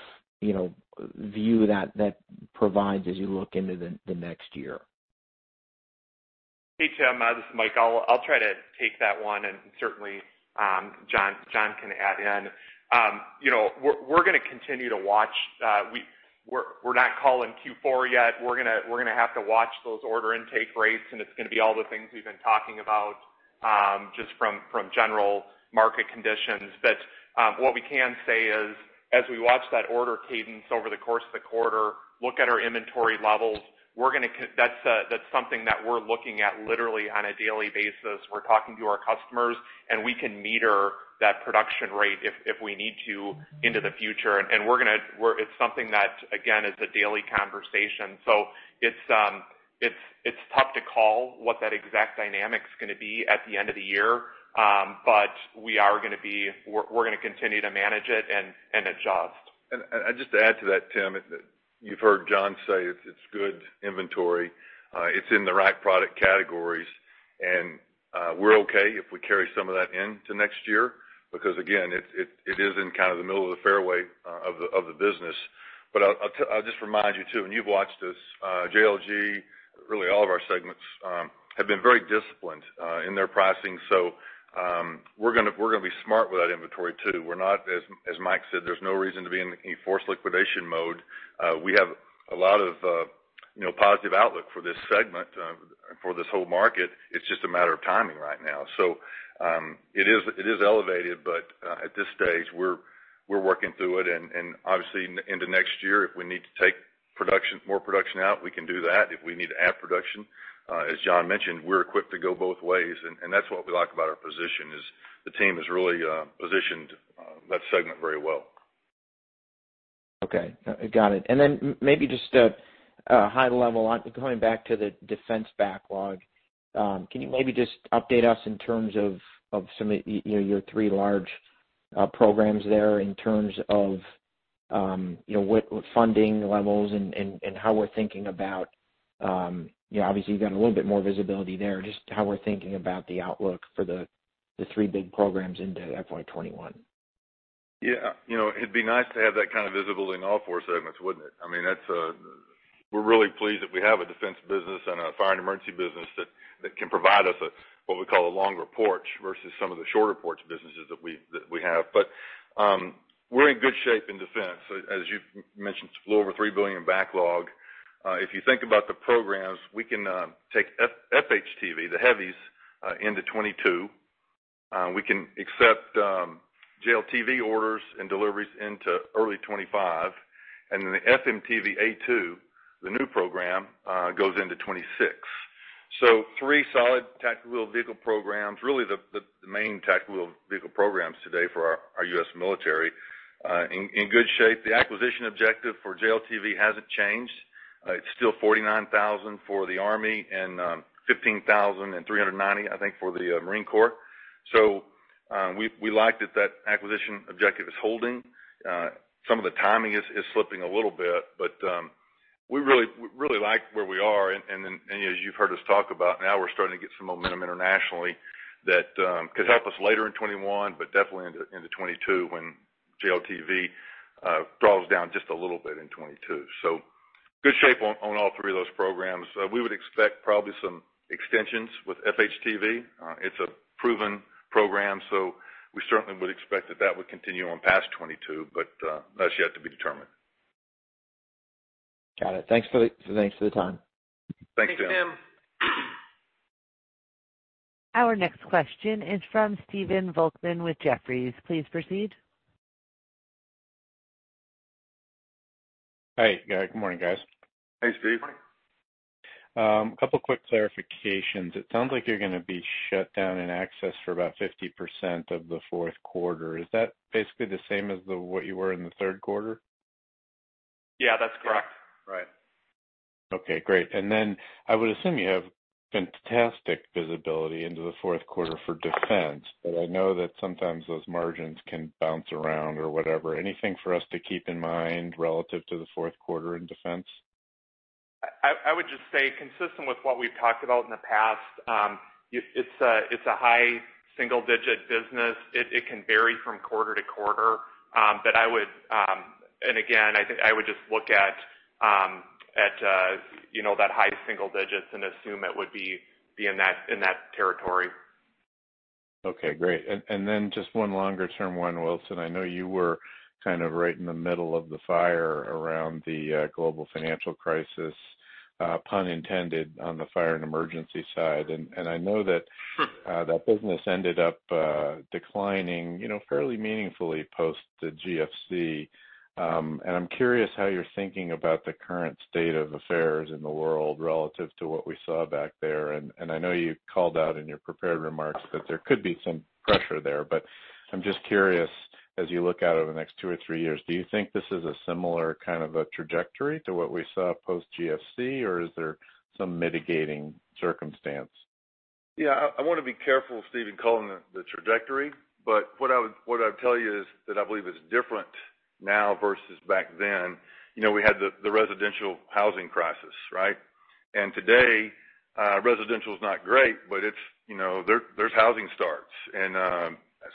Speaker 10: you know, view that provides as you look into the next year.
Speaker 5: Hey, Tim, this is Mike. I'll try to take that one, and certainly, John can add in. You know, we're gonna continue to watch. We're not calling Q4 yet. We're gonna have to watch those order intake rates, and it's gonna be all the things we've been talking about, just from general market conditions. But what we can say is, as we watch that order cadence over the course of the quarter, look at our inventory levels, that's something that we're looking at literally on a daily basis. We're talking to our customers, and we can meter that production rate if we need to into the future. And we're gonna. It's something that, again, is a daily conversation. So it's tough to call what that exact dynamic's gonna be at the end of the year, but we are gonna be-- we're gonna continue to manage it and adjust.
Speaker 3: And just to add to that, Tim, you've heard John say it's good inventory. It's in the right product categories, and we're okay if we carry some of that into next year, because, again, it's in kind of the middle of the fairway of the business. But I'll just remind you, too, and you've watched this, JLG, really, all of our segments have been very disciplined in their pricing. So, we're gonna be smart with that inventory, too. We're not, as Mike said, there's no reason to be in any forced liquidation mode. We have a lot of, you know, positive outlook for this segment, for this whole market. It's just a matter of timing right now. So, it is elevated, but at this stage, we're working through it. And obviously, into next year, if we need to take more production out, we can do that. If we need to add production, as John mentioned, we're equipped to go both ways, and that's what we like about our position is the team has really positioned that segment very well.
Speaker 10: Okay. Got it. And then maybe just a high level, going back to the Defense backlog, can you maybe just update us in terms of some of, you know, your three large programs there in terms of you know, what funding levels and how we're thinking about. You know, obviously, you've got a little bit more visibility there. Just how we're thinking about the outlook for the three big programs into FY 2021.
Speaker 3: Yeah. You know, it'd be nice to have that kind of visibility in all four segments, wouldn't it? I mean, that's, we're really pleased that we have a Defense business and a Fire & Emergency business that, that can provide us a, what we call a longer porch versus some of the shorter porch businesses that we, that we have. But, we're in good shape in Defense. As you've mentioned, a little over $3 billion backlog. If you think about the programs, we can take FHTV, the heavies, into 2022. We can accept JLTV orders and deliveries into early 2025, and then the FMTV A2, the new program, goes into 2026. So three solid tactical vehicle programs, really the, the, the main tactical vehicle programs today for our, our U.S. military, in, in good shape. The acquisition objective for JLTV hasn't changed. It's still 49,000 for the Army and 15,390, I think, for the Marine Corps. So, we like that acquisition objective is holding. Some of the timing is slipping a little bit, but we really like where we are. And as you've heard us talk about, now we're starting to get some momentum internationally that could help us later in 2021, but definitely into 2022, when JLTV draws down just a little bit in 2022. So good shape on all three of those programs. We would expect probably some extensions with FHTV. It's a proven program, so we certainly would expect that would continue on past 2022, but that's yet to be determined.
Speaker 10: Got it. Thanks for the, thanks for the time.
Speaker 3: Thanks, Tim.
Speaker 5: Thanks, Tim.
Speaker 1: Our next question is from Stephen Volkmann with Jefferies. Please proceed.
Speaker 11: Hi, guys. Good morning, guys.
Speaker 3: Thanks, Steve.
Speaker 5: Morning.
Speaker 11: A couple quick clarifications. It sounds like you're gonna be shut down in Access for about 50% of the fourth quarter. Is that basically the same as the, what you were in the third quarter?
Speaker 5: Yeah, that's correct.
Speaker 3: Right.
Speaker 11: Okay, great. And then I would assume you have fantastic visibility into the fourth quarter for Defense, but I know that sometimes those margins can bounce around or whatever. Anything for us to keep in mind relative to the fourth quarter in Defense?
Speaker 5: I would just say, consistent with what we've talked about in the past, it's a high single digit business. It can vary from quarter to quarter. But I would... Again, I think I would just look at, you know, that high single digits and assume it would be in that territory.
Speaker 11: Okay, great. And then just one longer-term one, Wilson. I know you were kind of right in the middle of the fire around the global financial crisis, pun intended, on the Fire & Emergency side. And I know that-
Speaker 3: Sure.
Speaker 11: That business ended up declining, you know, fairly meaningfully post the GFC. And I'm curious how you're thinking about the current state of affairs in the world relative to what we saw back there. And I know you called out in your prepared remarks that there could be some pressure there, but I'm just curious, as you look out over the next two or three years, do you think this is a similar kind of a trajectory to what we saw post GFC, or is there some mitigating circumstance?
Speaker 3: Yeah, I wanna be careful, Steve, in calling it the trajectory, but what I would tell you is that I believe it's different now versus back then. You know, we had the residential housing crisis, right? And today, residential is not great, but it's, you know, there, there's housing starts. And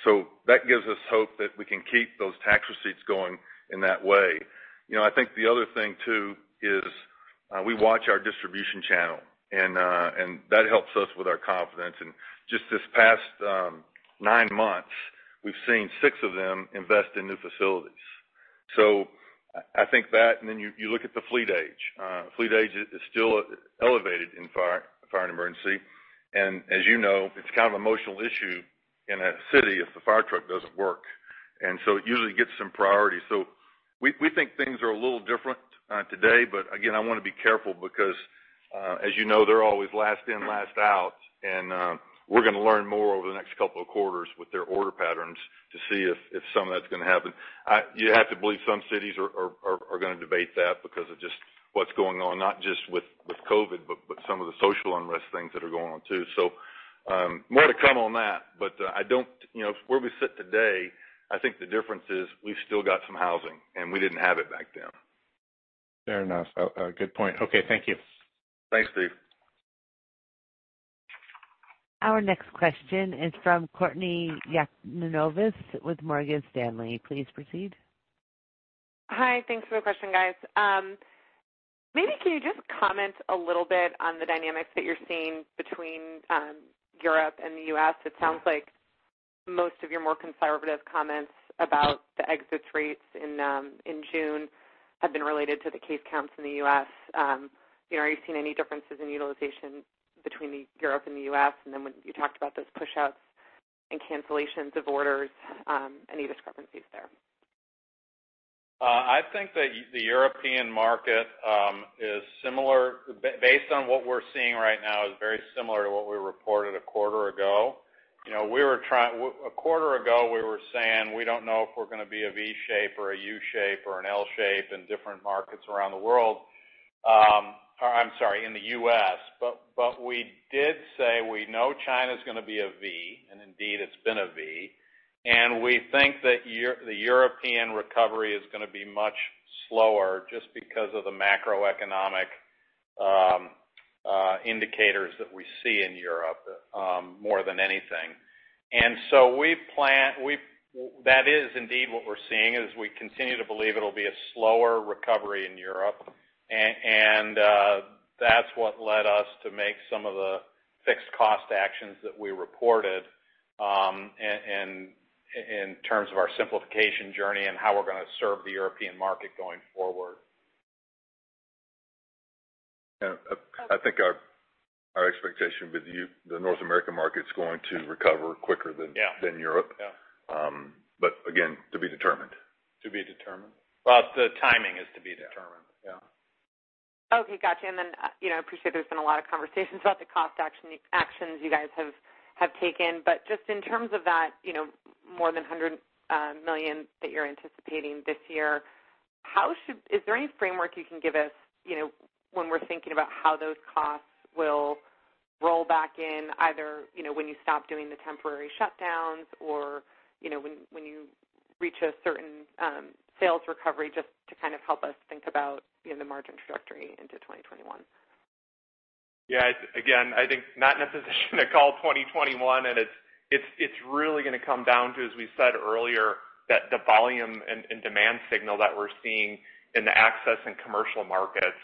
Speaker 3: so that gives us hope that we can keep those tax receipts going in that way. You know, I think the other thing, too, is we watch our distribution channel, and that helps us with our confidence. And just this past nine months, we've seen six of them invest in new facilities. So I think that, and then you look at the fleet age. Fleet age is still elevated in Fire & Emergency. And as you know, it's kind of an emotional issue in a city if the fire truck doesn't work, and so it usually gets some priority. So we think things are a little different today, but again, I wanna be careful because, as you know, they're always last in, last out, and we're gonna learn more over the next couple of quarters with their order patterns to see if some of that's gonna happen. You have to believe some cities are gonna debate that because of just what's going on, not just with COVID, but some of the social unrest things that are going on, too. So, more to come on that, but I don't... You know, where we sit today, I think the difference is we've still got some housing, and we didn't have it back then.
Speaker 11: Fair enough. Good point. Okay, thank you.
Speaker 3: Thanks, Steve.
Speaker 1: Our next question is from Courtney Yakavonis with Morgan Stanley. Please proceed.
Speaker 12: Hi, thanks for the question, guys. Maybe can you just comment a little bit on the dynamics that you're seeing between Europe and the U.S.? It sounds like most of your more conservative comments about the exit rates in June have been related to the case counts in the U.S. You know, are you seeing any differences in utilization between Europe and the U.S.? And then when you talked about those pushouts and cancellations of orders, any discrepancies there?
Speaker 4: I think that the European market, based on what we're seeing right now, is very similar to what we reported a quarter ago. You know, a quarter ago, we were saying, we don't know if we're gonna be a V shape or a U shape or an L shape in different markets around the world. Or I'm sorry, in the U.S. But we did say we know China's gonna be a V, and indeed it's been a V. And we think that the European recovery is gonna be much slower just because of the macroeconomic indicators that we see in Europe, more than anything. And so that is indeed what we're seeing, is we continue to believe it'll be a slower recovery in Europe. That's what led us to make some of the fixed cost actions that we reported in terms of our simplification journey and how we're gonna serve the European market going forward.
Speaker 3: Yeah, I think our expectation with the North American market is going to recover quicker than-
Speaker 4: Yeah...
Speaker 3: than Europe.
Speaker 4: Yeah.
Speaker 3: But again, to be determined.
Speaker 4: To be determined. Well, the timing is to be determined.
Speaker 3: Yeah. Yeah.
Speaker 12: Okay, gotcha. And then, you know, I appreciate there's been a lot of conversations about the cost actions you guys have taken, but just in terms of that, you know, more than $100 million that you're anticipating this year, is there any framework you can give us, you know, when we're thinking about how those costs will roll back in, either, you know, when you stop doing the temporary shutdowns or, you know, when you reach a certain sales recovery, just to kind of help us think about, you know, the margin trajectory into 2021?
Speaker 4: Yeah. Again, I think not in a position to call 2021, and it's really gonna come down to, as we said earlier, that the volume and demand signal that we're seeing in the Access and Commercial markets,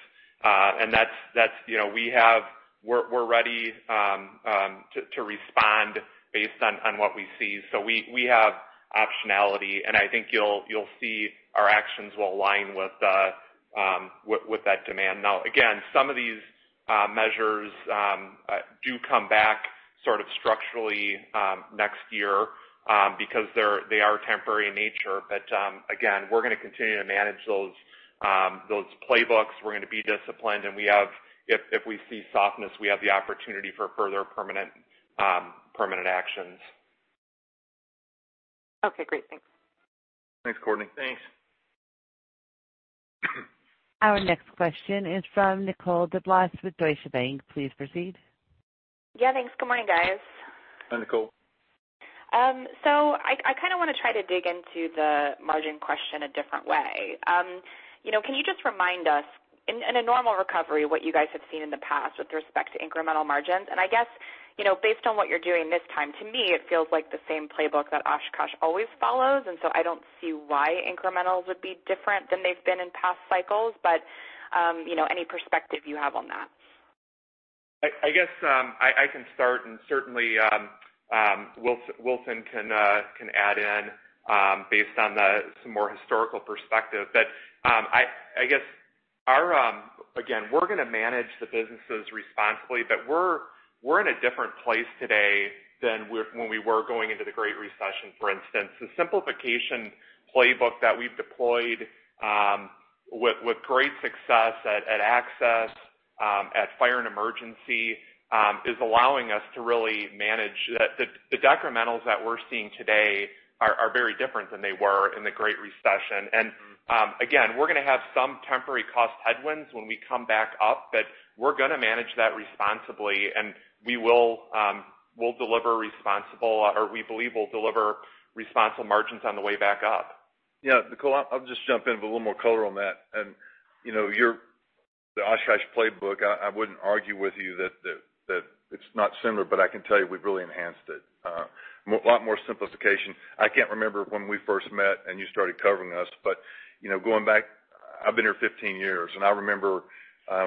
Speaker 4: and that's, you know, we have. We're ready to respond based on what we see. So we have optionality, and I think you'll see our actions will align with that demand. Now, again, some of these measures do come back sort of structurally next year because they're temporary in nature. But again, we're gonna continue to manage those playbooks. We're gonna be disciplined, and we have, if we see softness, we have the opportunity for further permanent actions.
Speaker 12: Okay, great. Thanks.
Speaker 3: Thanks, Courtney.
Speaker 4: Thanks.
Speaker 1: Our next question is from Nicole DeBlase with Deutsche Bank. Please proceed.
Speaker 13: Yeah, thanks. Good morning, guys.
Speaker 3: Hi, Nicole.
Speaker 13: So I kind of want to try to dig into the margin question a different way. You know, can you just remind us, in a normal recovery, what you guys have seen in the past with respect to incremental margins? And I guess, you know, based on what you're doing this time, to me, it feels like the same playbook that Oshkosh always follows, and so I don't see why incrementals would be different than they've been in past cycles. But, you know, any perspective you have on that? ...
Speaker 4: I guess, I can start and certainly, Wilson can add in, based on some more historical perspective. But I guess our, again, we're gonna manage the businesses responsibly, but we're in a different place today than when we were going into the Great Recession, for instance. The simplification playbook that we've deployed with great success at Access, at Fire & Emergency is allowing us to really manage the decrementals that we're seeing today are very different than they were in the Great Recession. And again, we're gonna have some temporary cost headwinds when we come back up, but we're gonna manage that responsibly, and we'll deliver responsible, or we believe we'll deliver responsible margins on the way back up.
Speaker 3: Yeah, Nicole, I'll just jump in with a little more color on that. And, you know, your the Oshkosh playbook, I wouldn't argue with you that it's not similar, but I can tell you we've really enhanced it. A lot more simplification. I can't remember when we first met and you started covering us, but, you know, going back, I've been here 15 years, and I remember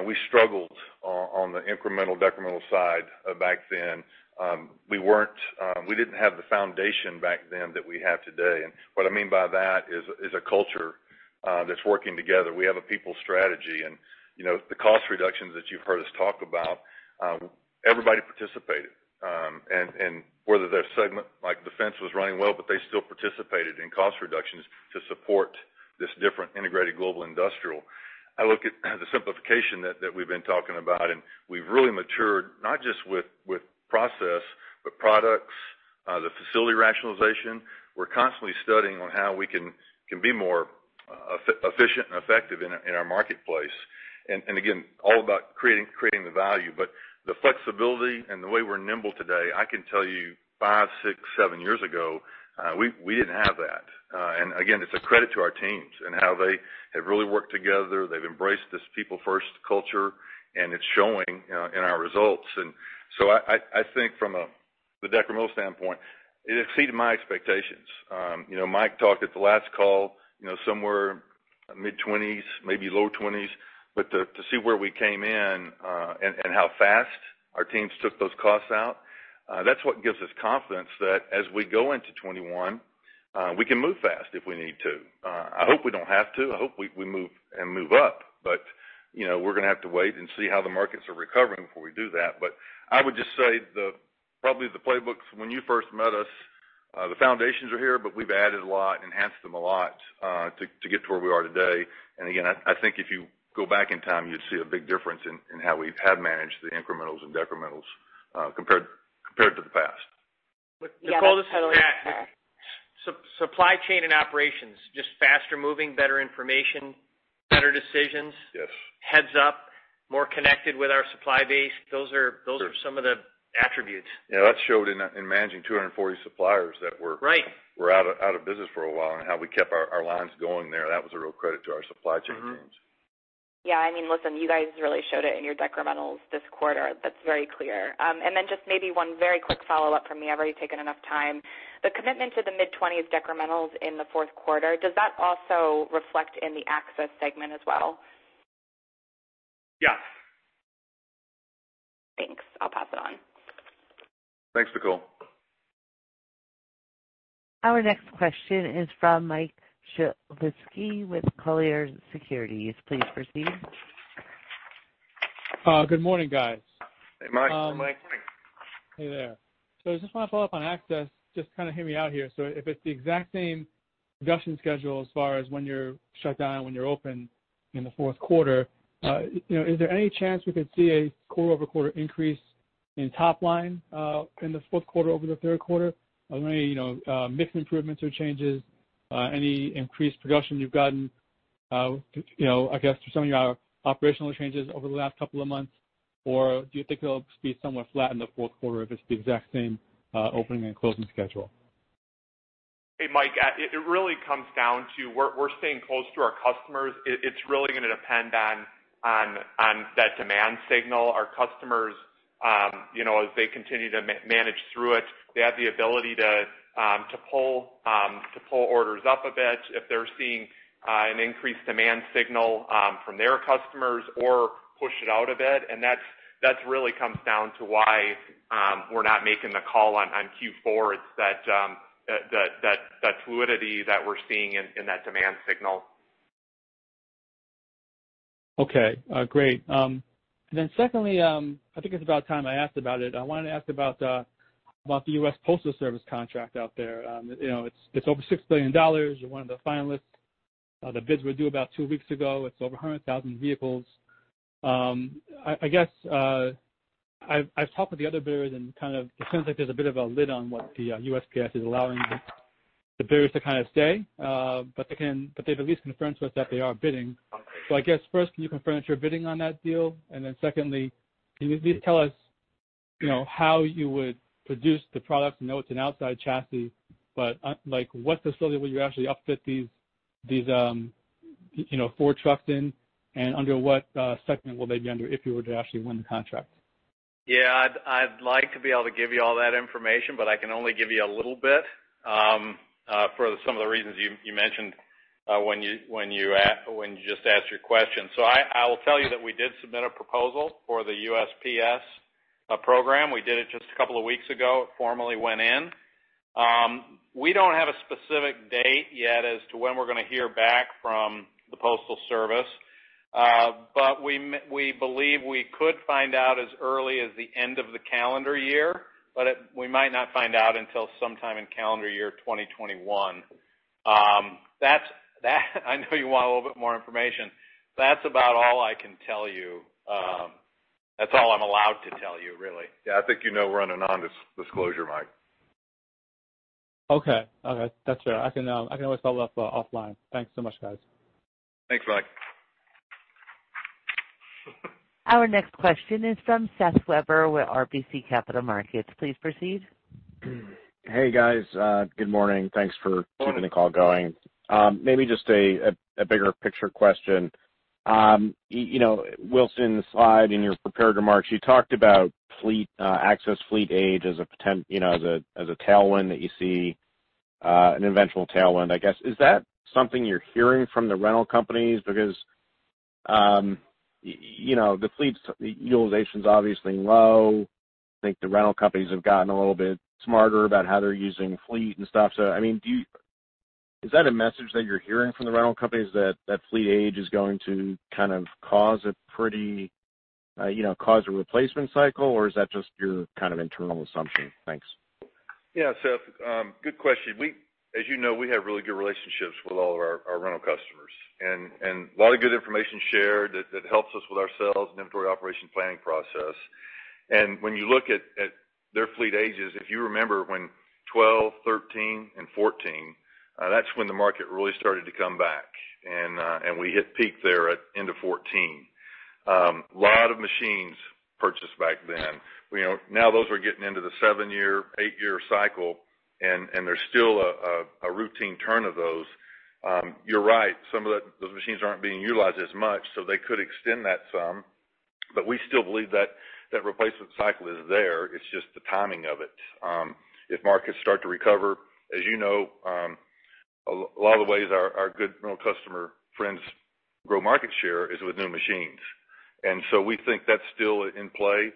Speaker 3: we struggled on the incremental, decremental side back then. We didn't have the foundation back then that we have today. And what I mean by that is a culture that's working together. We have a people strategy, and, you know, the cost reductions that you've heard us talk about, everybody participated. And whether their segment, like Defense, was running well, but they still participated in cost reductions to support this different integrated global industrial. I look at the simplification that we've been talking about, and we've really matured, not just with process, but products, the facility rationalization. We're constantly studying on how we can be more efficient and effective in our marketplace. And again, all about creating the value. But the flexibility and the way we're nimble today, I can tell you, five, six, seven years ago, we didn't have that. And again, it's a credit to our teams and how they have really worked together. They've embraced this people-first culture, and it's showing, you know, in our results. And so I think from the decremental standpoint, it exceeded my expectations. You know, Mike talked at the last call, you know, somewhere mid-20s, maybe low-20s, but to see where we came in, and how fast our teams took those costs out, that's what gives us confidence that as we go into 2021, we can move fast if we need to. I hope we don't have to. I hope we move and move up, but, you know, we're gonna have to wait and see how the markets are recovering before we do that. But I would just say the, probably the playbooks when you first met us, the foundations are here, but we've added a lot, enhanced them a lot, to get to where we are today. Again, I think if you go back in time, you'd see a big difference in how we've had managed the incrementals and decrementals, compared to the past.
Speaker 5: But Nicole, this is Mike.
Speaker 13: Yeah, totally.
Speaker 5: Supply chain and operations, just faster moving, better information, better decisions.
Speaker 3: Yes.
Speaker 5: Heads up, more connected with our supply base. Those are, those are some of the attributes.
Speaker 3: Yeah, that showed in managing 240 suppliers that were-
Speaker 5: Right...
Speaker 3: were out of business for a while, and how we kept our lines going there. That was a real credit to our supply chain teams.
Speaker 5: Mm-hmm.
Speaker 13: Yeah, I mean, listen, you guys really showed it in your decrementals this quarter. That's very clear. And then just maybe one very quick follow-up from me. I've already taken enough time. The commitment to the mid-twenties decrementals in the fourth quarter, does that also reflect in the Access segment as well?
Speaker 5: Yes.
Speaker 13: Thanks. I'll pass it on.
Speaker 3: Thanks, Nicole.
Speaker 1: Our next question is from Mike Shlisky with Colliers Securities. Please proceed.
Speaker 14: Good morning, guys.
Speaker 3: Hey, Mike.
Speaker 5: Good morning.
Speaker 14: Hey there. So I just want to follow-up on Access. Just kind of hear me out here. So if it's the exact same production schedule as far as when you're shut down, when you're open in the fourth quarter, you know, is there any chance we could see a quarter-over-quarter increase in top line in the fourth quarter over the third quarter? Are there any, you know, mix improvements or changes, any increased production you've gotten, you know, I guess, to some of your operational changes over the last couple of months? Or do you think it'll be somewhat flat in the fourth quarter if it's the exact same opening and closing schedule?
Speaker 5: Hey, Mike, it really comes down to we're staying close to our customers. It's really gonna depend on that demand signal. Our customers, you know, as they continue to manage through it, they have the ability to pull orders up a bit if they're seeing an increased demand signal from their customers or push it out a bit, and that really comes down to why we're not making the call on Q4. It's that fluidity that we're seeing in that demand signal.
Speaker 14: Okay, great. And then secondly, I think it's about time I asked about it. I wanted to ask about the U.S. Postal Service contract out there. You know, it's over $6 billion. You're one of the finalists. The bids were due about two weeks ago. It's over 100,000 vehicles. I guess, I've talked with the other bidders, and kind of it seems like there's a bit of a lid on what the USPS is allowing the bidders to kind of say, but they've at least confirmed to us that they are bidding. So I guess, first, can you confirm that you're bidding on that deal? And then secondly, can you please tell us, you know, how you would produce the products? I know it's an outside chassis, but, like, what facility will you actually upfit these, you know, Ford trucks in, and under what, segment will they be under if you were to actually win the contract?
Speaker 5: Yeah. I'd like to be able to give you all that information, but I can only give you a little bit, for some of the reasons you mentioned....
Speaker 4: when you just asked your question. So I will tell you that we did submit a proposal for the USPS program. We did it just a couple of weeks ago. It formally went in. We don't have a specific date yet as to when we're gonna hear back from the Postal Service, but we believe we could find out as early as the end of the calendar year, but we might not find out until sometime in calendar year 2021. That's, that I know you want a little bit more information. That's about all I can tell you. That's all I'm allowed to tell you, really.
Speaker 3: Yeah, I think you know we're under non-disclosure, Mike.
Speaker 14: Okay. Okay, that's fair. I can, I can always follow-up, offline. Thanks so much, guys.
Speaker 4: Thanks, Mike.
Speaker 1: Our next question is from Seth Weber with RBC Capital Markets. Please proceed.
Speaker 15: Hey, guys, good morning. Thanks for keeping the call going. Maybe just a bigger picture question. You know, Wilson, in the slide in your prepared remarks, you talked about fleet Access fleet age as a potential tailwind that you see, an eventual tailwind, I guess. Is that something you're hearing from the rental companies? Because, you know, the fleet's utilization's obviously low. I think the rental companies have gotten a little bit smarter about how they're using fleet and stuff. So I mean, do you... Is that a message that you're hearing from the rental companies, that fleet age is going to kind of cause a pretty, you know, cause a replacement cycle, or is that just your kind of internal assumption? Thanks.
Speaker 3: Yeah, Seth, good question. We, as you know, we have really good relationships with all of our rental customers, and a lot of good information shared that helps us with our sales and inventory operation planning process. And when you look at their fleet ages, if you remember when 2012, 2013, and 2014, that's when the market really started to come back, and we hit peak there at end of 2014. A lot of machines purchased back then. You know, now those are getting into the seven-year, eight-year cycle, and there's still a routine turn of those. You're right, some of those machines aren't being utilized as much, so they could extend that some, but we still believe that that replacement cycle is there. It's just the timing of it. If markets start to recover, as you know, a lot of the ways our good rental customer friends grow market share is with new machines. And so we think that's still in play,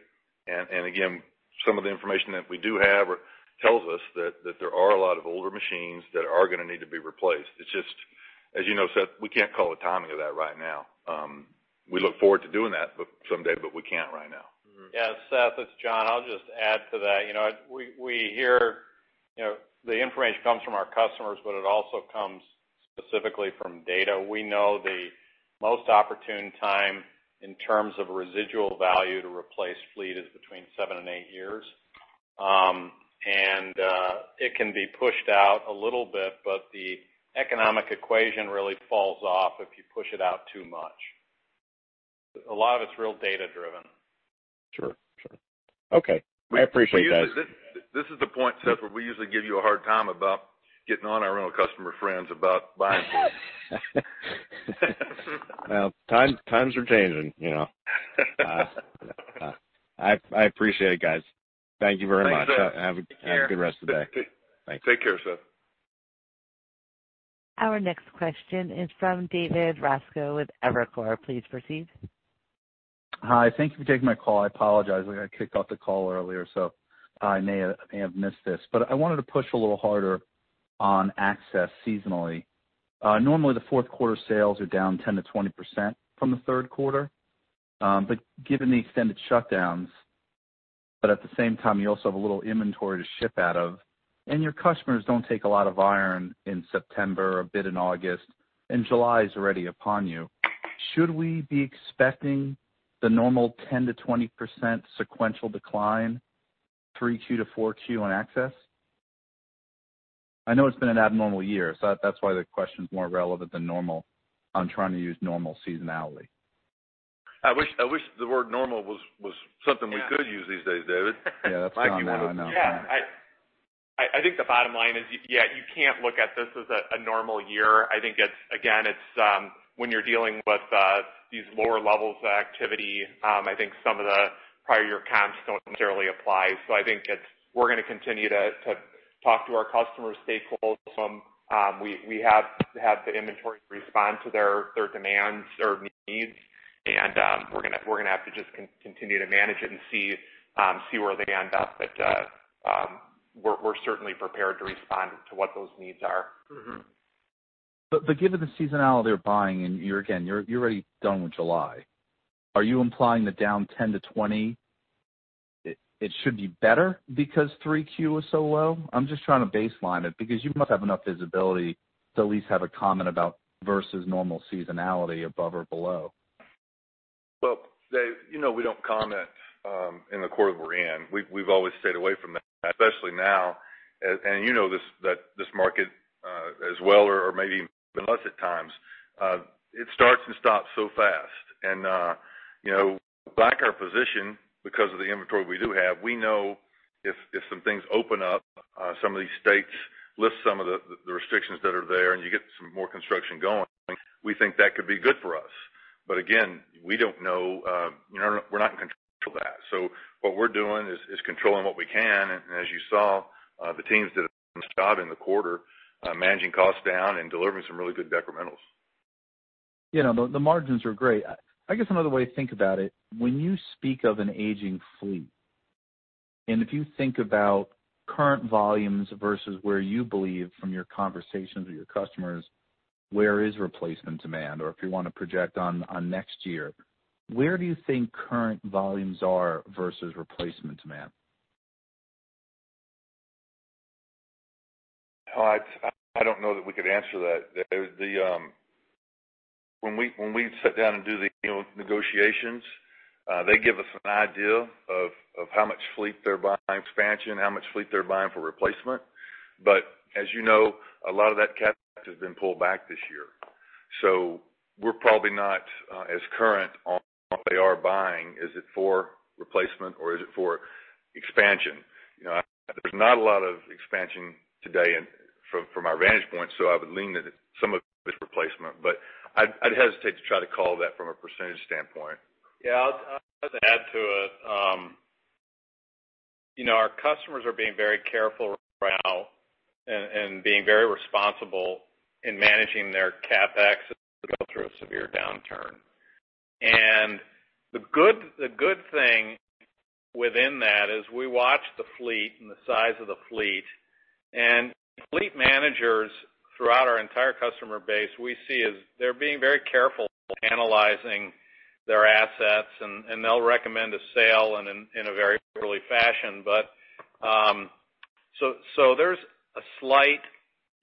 Speaker 3: and again, some of the information that we do have tells us that there are a lot of older machines that are gonna need to be replaced. It's just, as you know, Seth, we can't call the timing of that right now. We look forward to doing that, but someday, but we can't right now.
Speaker 4: Mm-hmm. Yeah, Seth, it's John. I'll just add to that. You know, we hear, you know, the information comes from our customers, but it also comes specifically from data. We know the most opportune time in terms of residual value to replace fleet is between seven and eight years. It can be pushed out a little bit, but the economic equation really falls off if you push it out too much. A lot of it's real data driven.
Speaker 15: Sure, sure. Okay, I appreciate it, guys.
Speaker 3: This is the point, Seth, where we usually give you a hard time about getting on our rental customer friends about buying.
Speaker 15: Well, times are changing, you know? I appreciate it, guys. Thank you very much.
Speaker 4: Thanks, Seth.
Speaker 15: Have a good rest of the day.
Speaker 3: Take care, Seth.
Speaker 1: Our next question is from David Raso with Evercore. Please proceed.
Speaker 16: Hi, thank you for taking my call. I apologize. I got kicked off the call earlier, so I may have missed this. I wanted to push a little harder on Access seasonally. Normally, the fourth quarter sales are down 10%-20% from the third quarter, but given the extended shutdowns, but at the same time, you also have a little inventory to ship out of, and your customers don't take a lot of iron in September, a bit in August, and July is already upon you. Should we be expecting the normal 10%-20% sequential decline, 3Q-4Q on Access? I know it's been an abnormal year, so that's why the question is more relevant than normal. I'm trying to use normal seasonality.
Speaker 3: I wish the word normal was something—
Speaker 16: Yeah...
Speaker 3: we could use these days, David.
Speaker 16: Yeah, that's gone now, I know.
Speaker 4: Yeah, I think the bottom line is, yeah, you can't look at this as a normal year. I think it's, again, it's when you're dealing with these lower levels of activity. I think some of the prior year comps don't necessarily apply. So I think it's we're gonna continue to talk to our customer stakeholders. We have to have the inventory to respond to their demands or needs, and we're gonna have to just continue to manage it and see where they end up. But we're certainly prepared to respond to what those needs are.
Speaker 16: Mm-hmm. But given the seasonality of their buying, and you're again, you're already done with July. Are you implying that down 10-20, it should be better because 3Q is so low? I'm just trying to baseline it, because you must have enough visibility to at least have a comment about versus normal seasonality, above or below.
Speaker 3: Well, Dave, you know, we don't comment in the quarter we're in. We've always stayed away from that, especially now. And you know this, that this market as well or maybe even us at times, it starts and stops so fast. And you know, like our position, because of the inventory we do have, we know if some things open up, some of these states lift some of the restrictions that are there, and you get some more construction going, we think that could be good for us. But again, we don't know, you know, we're not in control. So what we're doing is controlling what we can. And as you saw, the teams did a great job in the quarter, managing costs down and delivering some really good decrementals.
Speaker 16: You know, the margins are great. I guess another way to think about it, when you speak of an aging fleet, and if you think about current volumes versus where you believe, from your conversations with your customers, where is replacement demand, or if you want to project on, on next year, where do you think current volumes are versus replacement demand?
Speaker 3: Well, I don't know that we could answer that. When we sit down and do the, you know, negotiations, they give us an idea of how much fleet they're buying expansion, how much fleet they're buying for replacement. But as you know, a lot of that CapEx has been pulled back this year. So we're probably not as current on what they are buying. Is it for replacement or is it for expansion? You know, there's not a lot of expansion today in, from our vantage point, so I would lean that some of it is replacement. But I'd hesitate to try to call that from a percentage standpoint.
Speaker 4: Yeah, I'll just add to it. You know, our customers are being very careful right now and being very responsible in managing their CapEx as they go through a severe downturn. The good thing within that is we watch the fleet and the size of the fleet, and fleet managers throughout our entire customer base, we see is they're being very careful analyzing their assets, and they'll recommend a sale in a very early fashion. But so there's a slight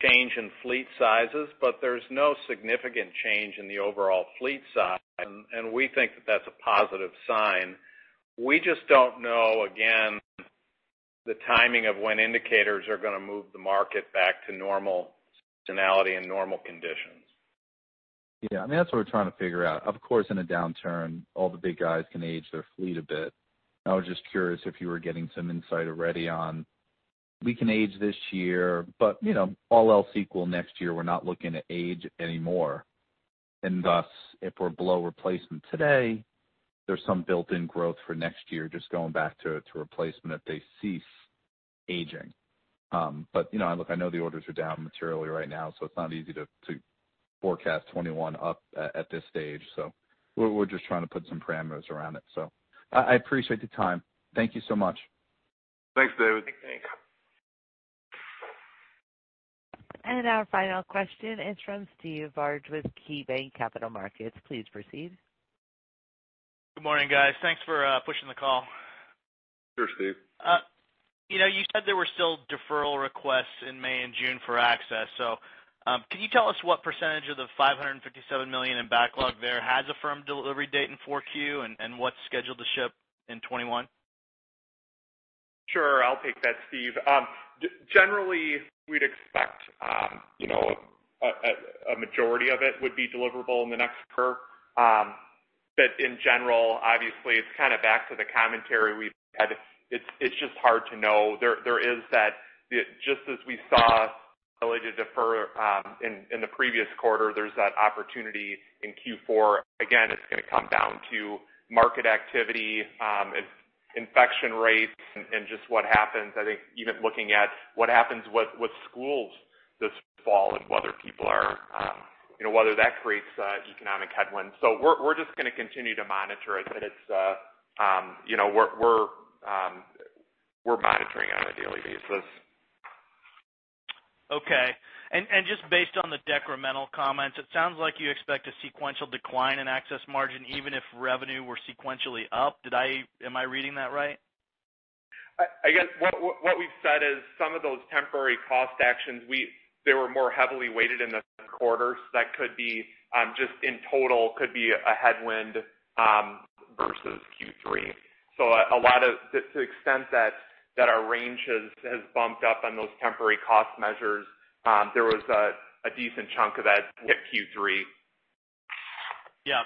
Speaker 4: change in fleet sizes, but there's no significant change in the overall fleet size, and we think that that's a positive sign. We just don't know, again, the timing of when indicators are gonna move the market back to normal seasonality and normal conditions.
Speaker 16: Yeah, and that's what we're trying to figure out. Of course, in a downturn, all the big guys can age their fleet a bit. I was just curious if you were getting some insight already on, we can age this year, but, you know, all else equal next year, we're not looking to age any more. And thus, if we're below replacement today, there's some built-in growth for next year, just going back to replacement if they cease aging. But, you know, look, I know the orders are down materially right now, so it's not easy to forecast 2021 up at this stage. So we're just trying to put some parameters around it. So I appreciate the time. Thank you so much.
Speaker 3: Thanks, David.
Speaker 4: Thanks.
Speaker 1: Our final question is from Steve Barger with KeyBanc Capital Markets. Please proceed.
Speaker 17: Good morning, guys. Thanks for pushing the call.
Speaker 3: Sure, Steve.
Speaker 17: you know, you said there were still deferral requests in May and June for Access. So, can you tell us what percentage of the $557 million in backlog there has a firm delivery date in 4Q, and, and what's scheduled to ship in 2021?
Speaker 4: Sure, I'll take that, Steve. Generally, we'd expect, you know, a majority of it would be deliverable in the next quarter. But in general, obviously, it's kind of back to the commentary we've had. It's just hard to know. There is that, the-- just as we saw ability to defer, in the previous quarter, there's that opportunity in Q4. Again, it's gonna come down to market activity, and infection rates and just what happens. I think even looking at what happens with schools this fall and whether people are, you know, whether that creates economic headwinds. So we're just gonna continue to monitor it, but it's, you know, we're monitoring it on a daily basis.
Speaker 17: Okay. And just based on the decremental comments, it sounds like you expect a sequential decline in Access margin, even if revenue were sequentially up. Did I - Am I reading that right?
Speaker 4: I guess what we've said is some of those temporary cost actions, they were more heavily weighted in the quarters. That could be just in total a headwind versus Q3. So to the extent that our range has bumped up on those temporary cost measures, there was a decent chunk of that hit Q3.
Speaker 17: Yeah.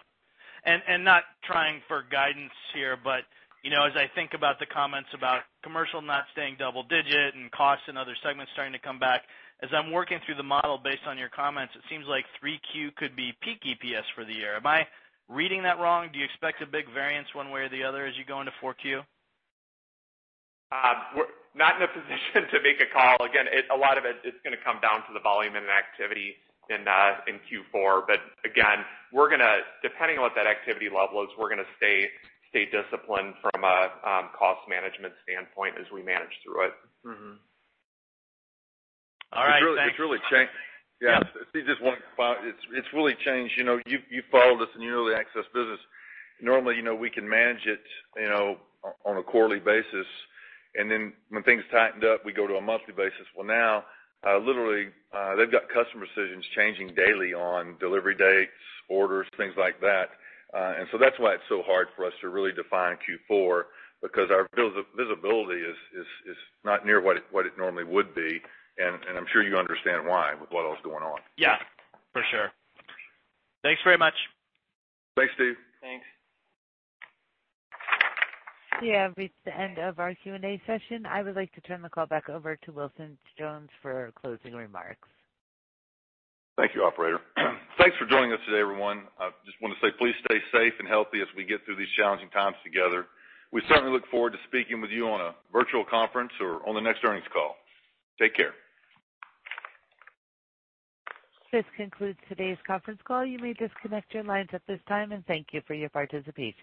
Speaker 17: And not trying for guidance here, but, you know, as I think about the comments about Commercial not staying double digit and costs in other segments starting to come back, as I'm working through the model based on your comments, it seems like 3Q could be peak EPS for the year. Am I reading that wrong? Do you expect a big variance one way or the other as you go into 4Q?
Speaker 4: We're not in a position to make a call. Again, it, a lot of it, it's gonna come down to the volume and activity in, in Q4. But again, we're gonna... Depending on what that activity level is, we're gonna stay disciplined from a, cost management standpoint as we manage through it.
Speaker 17: Mm-hmm. All right. Thanks.
Speaker 3: Yeah. Steve, just one final... It's, it's really changed. You know, you've, you've followed us in the early Access business. Normally, you know, we can manage it, you know, on a quarterly basis, and then when things tightened up, we go to a monthly basis. Well, now, literally, they've got customer decisions changing daily on delivery dates, orders, things like that. And so that's why it's so hard for us to really define Q4, because our visibility is not near what it normally would be. And I'm sure you understand why, with what all is going on.
Speaker 17: Yeah, for sure. Thanks very much.
Speaker 3: Thanks, Steve.
Speaker 4: Thanks.
Speaker 1: We have reached the end of our Q&A session. I would like to turn the call back over to Wilson Jones for closing remarks.
Speaker 3: Thank you, operator. Thanks for joining us today, everyone. I just want to say please stay safe and healthy as we get through these challenging times together. We certainly look forward to speaking with you on a virtual conference or on the next earnings call. Take care.
Speaker 1: This concludes today's conference call. You may disconnect your lines at this time, and thank you for your participation.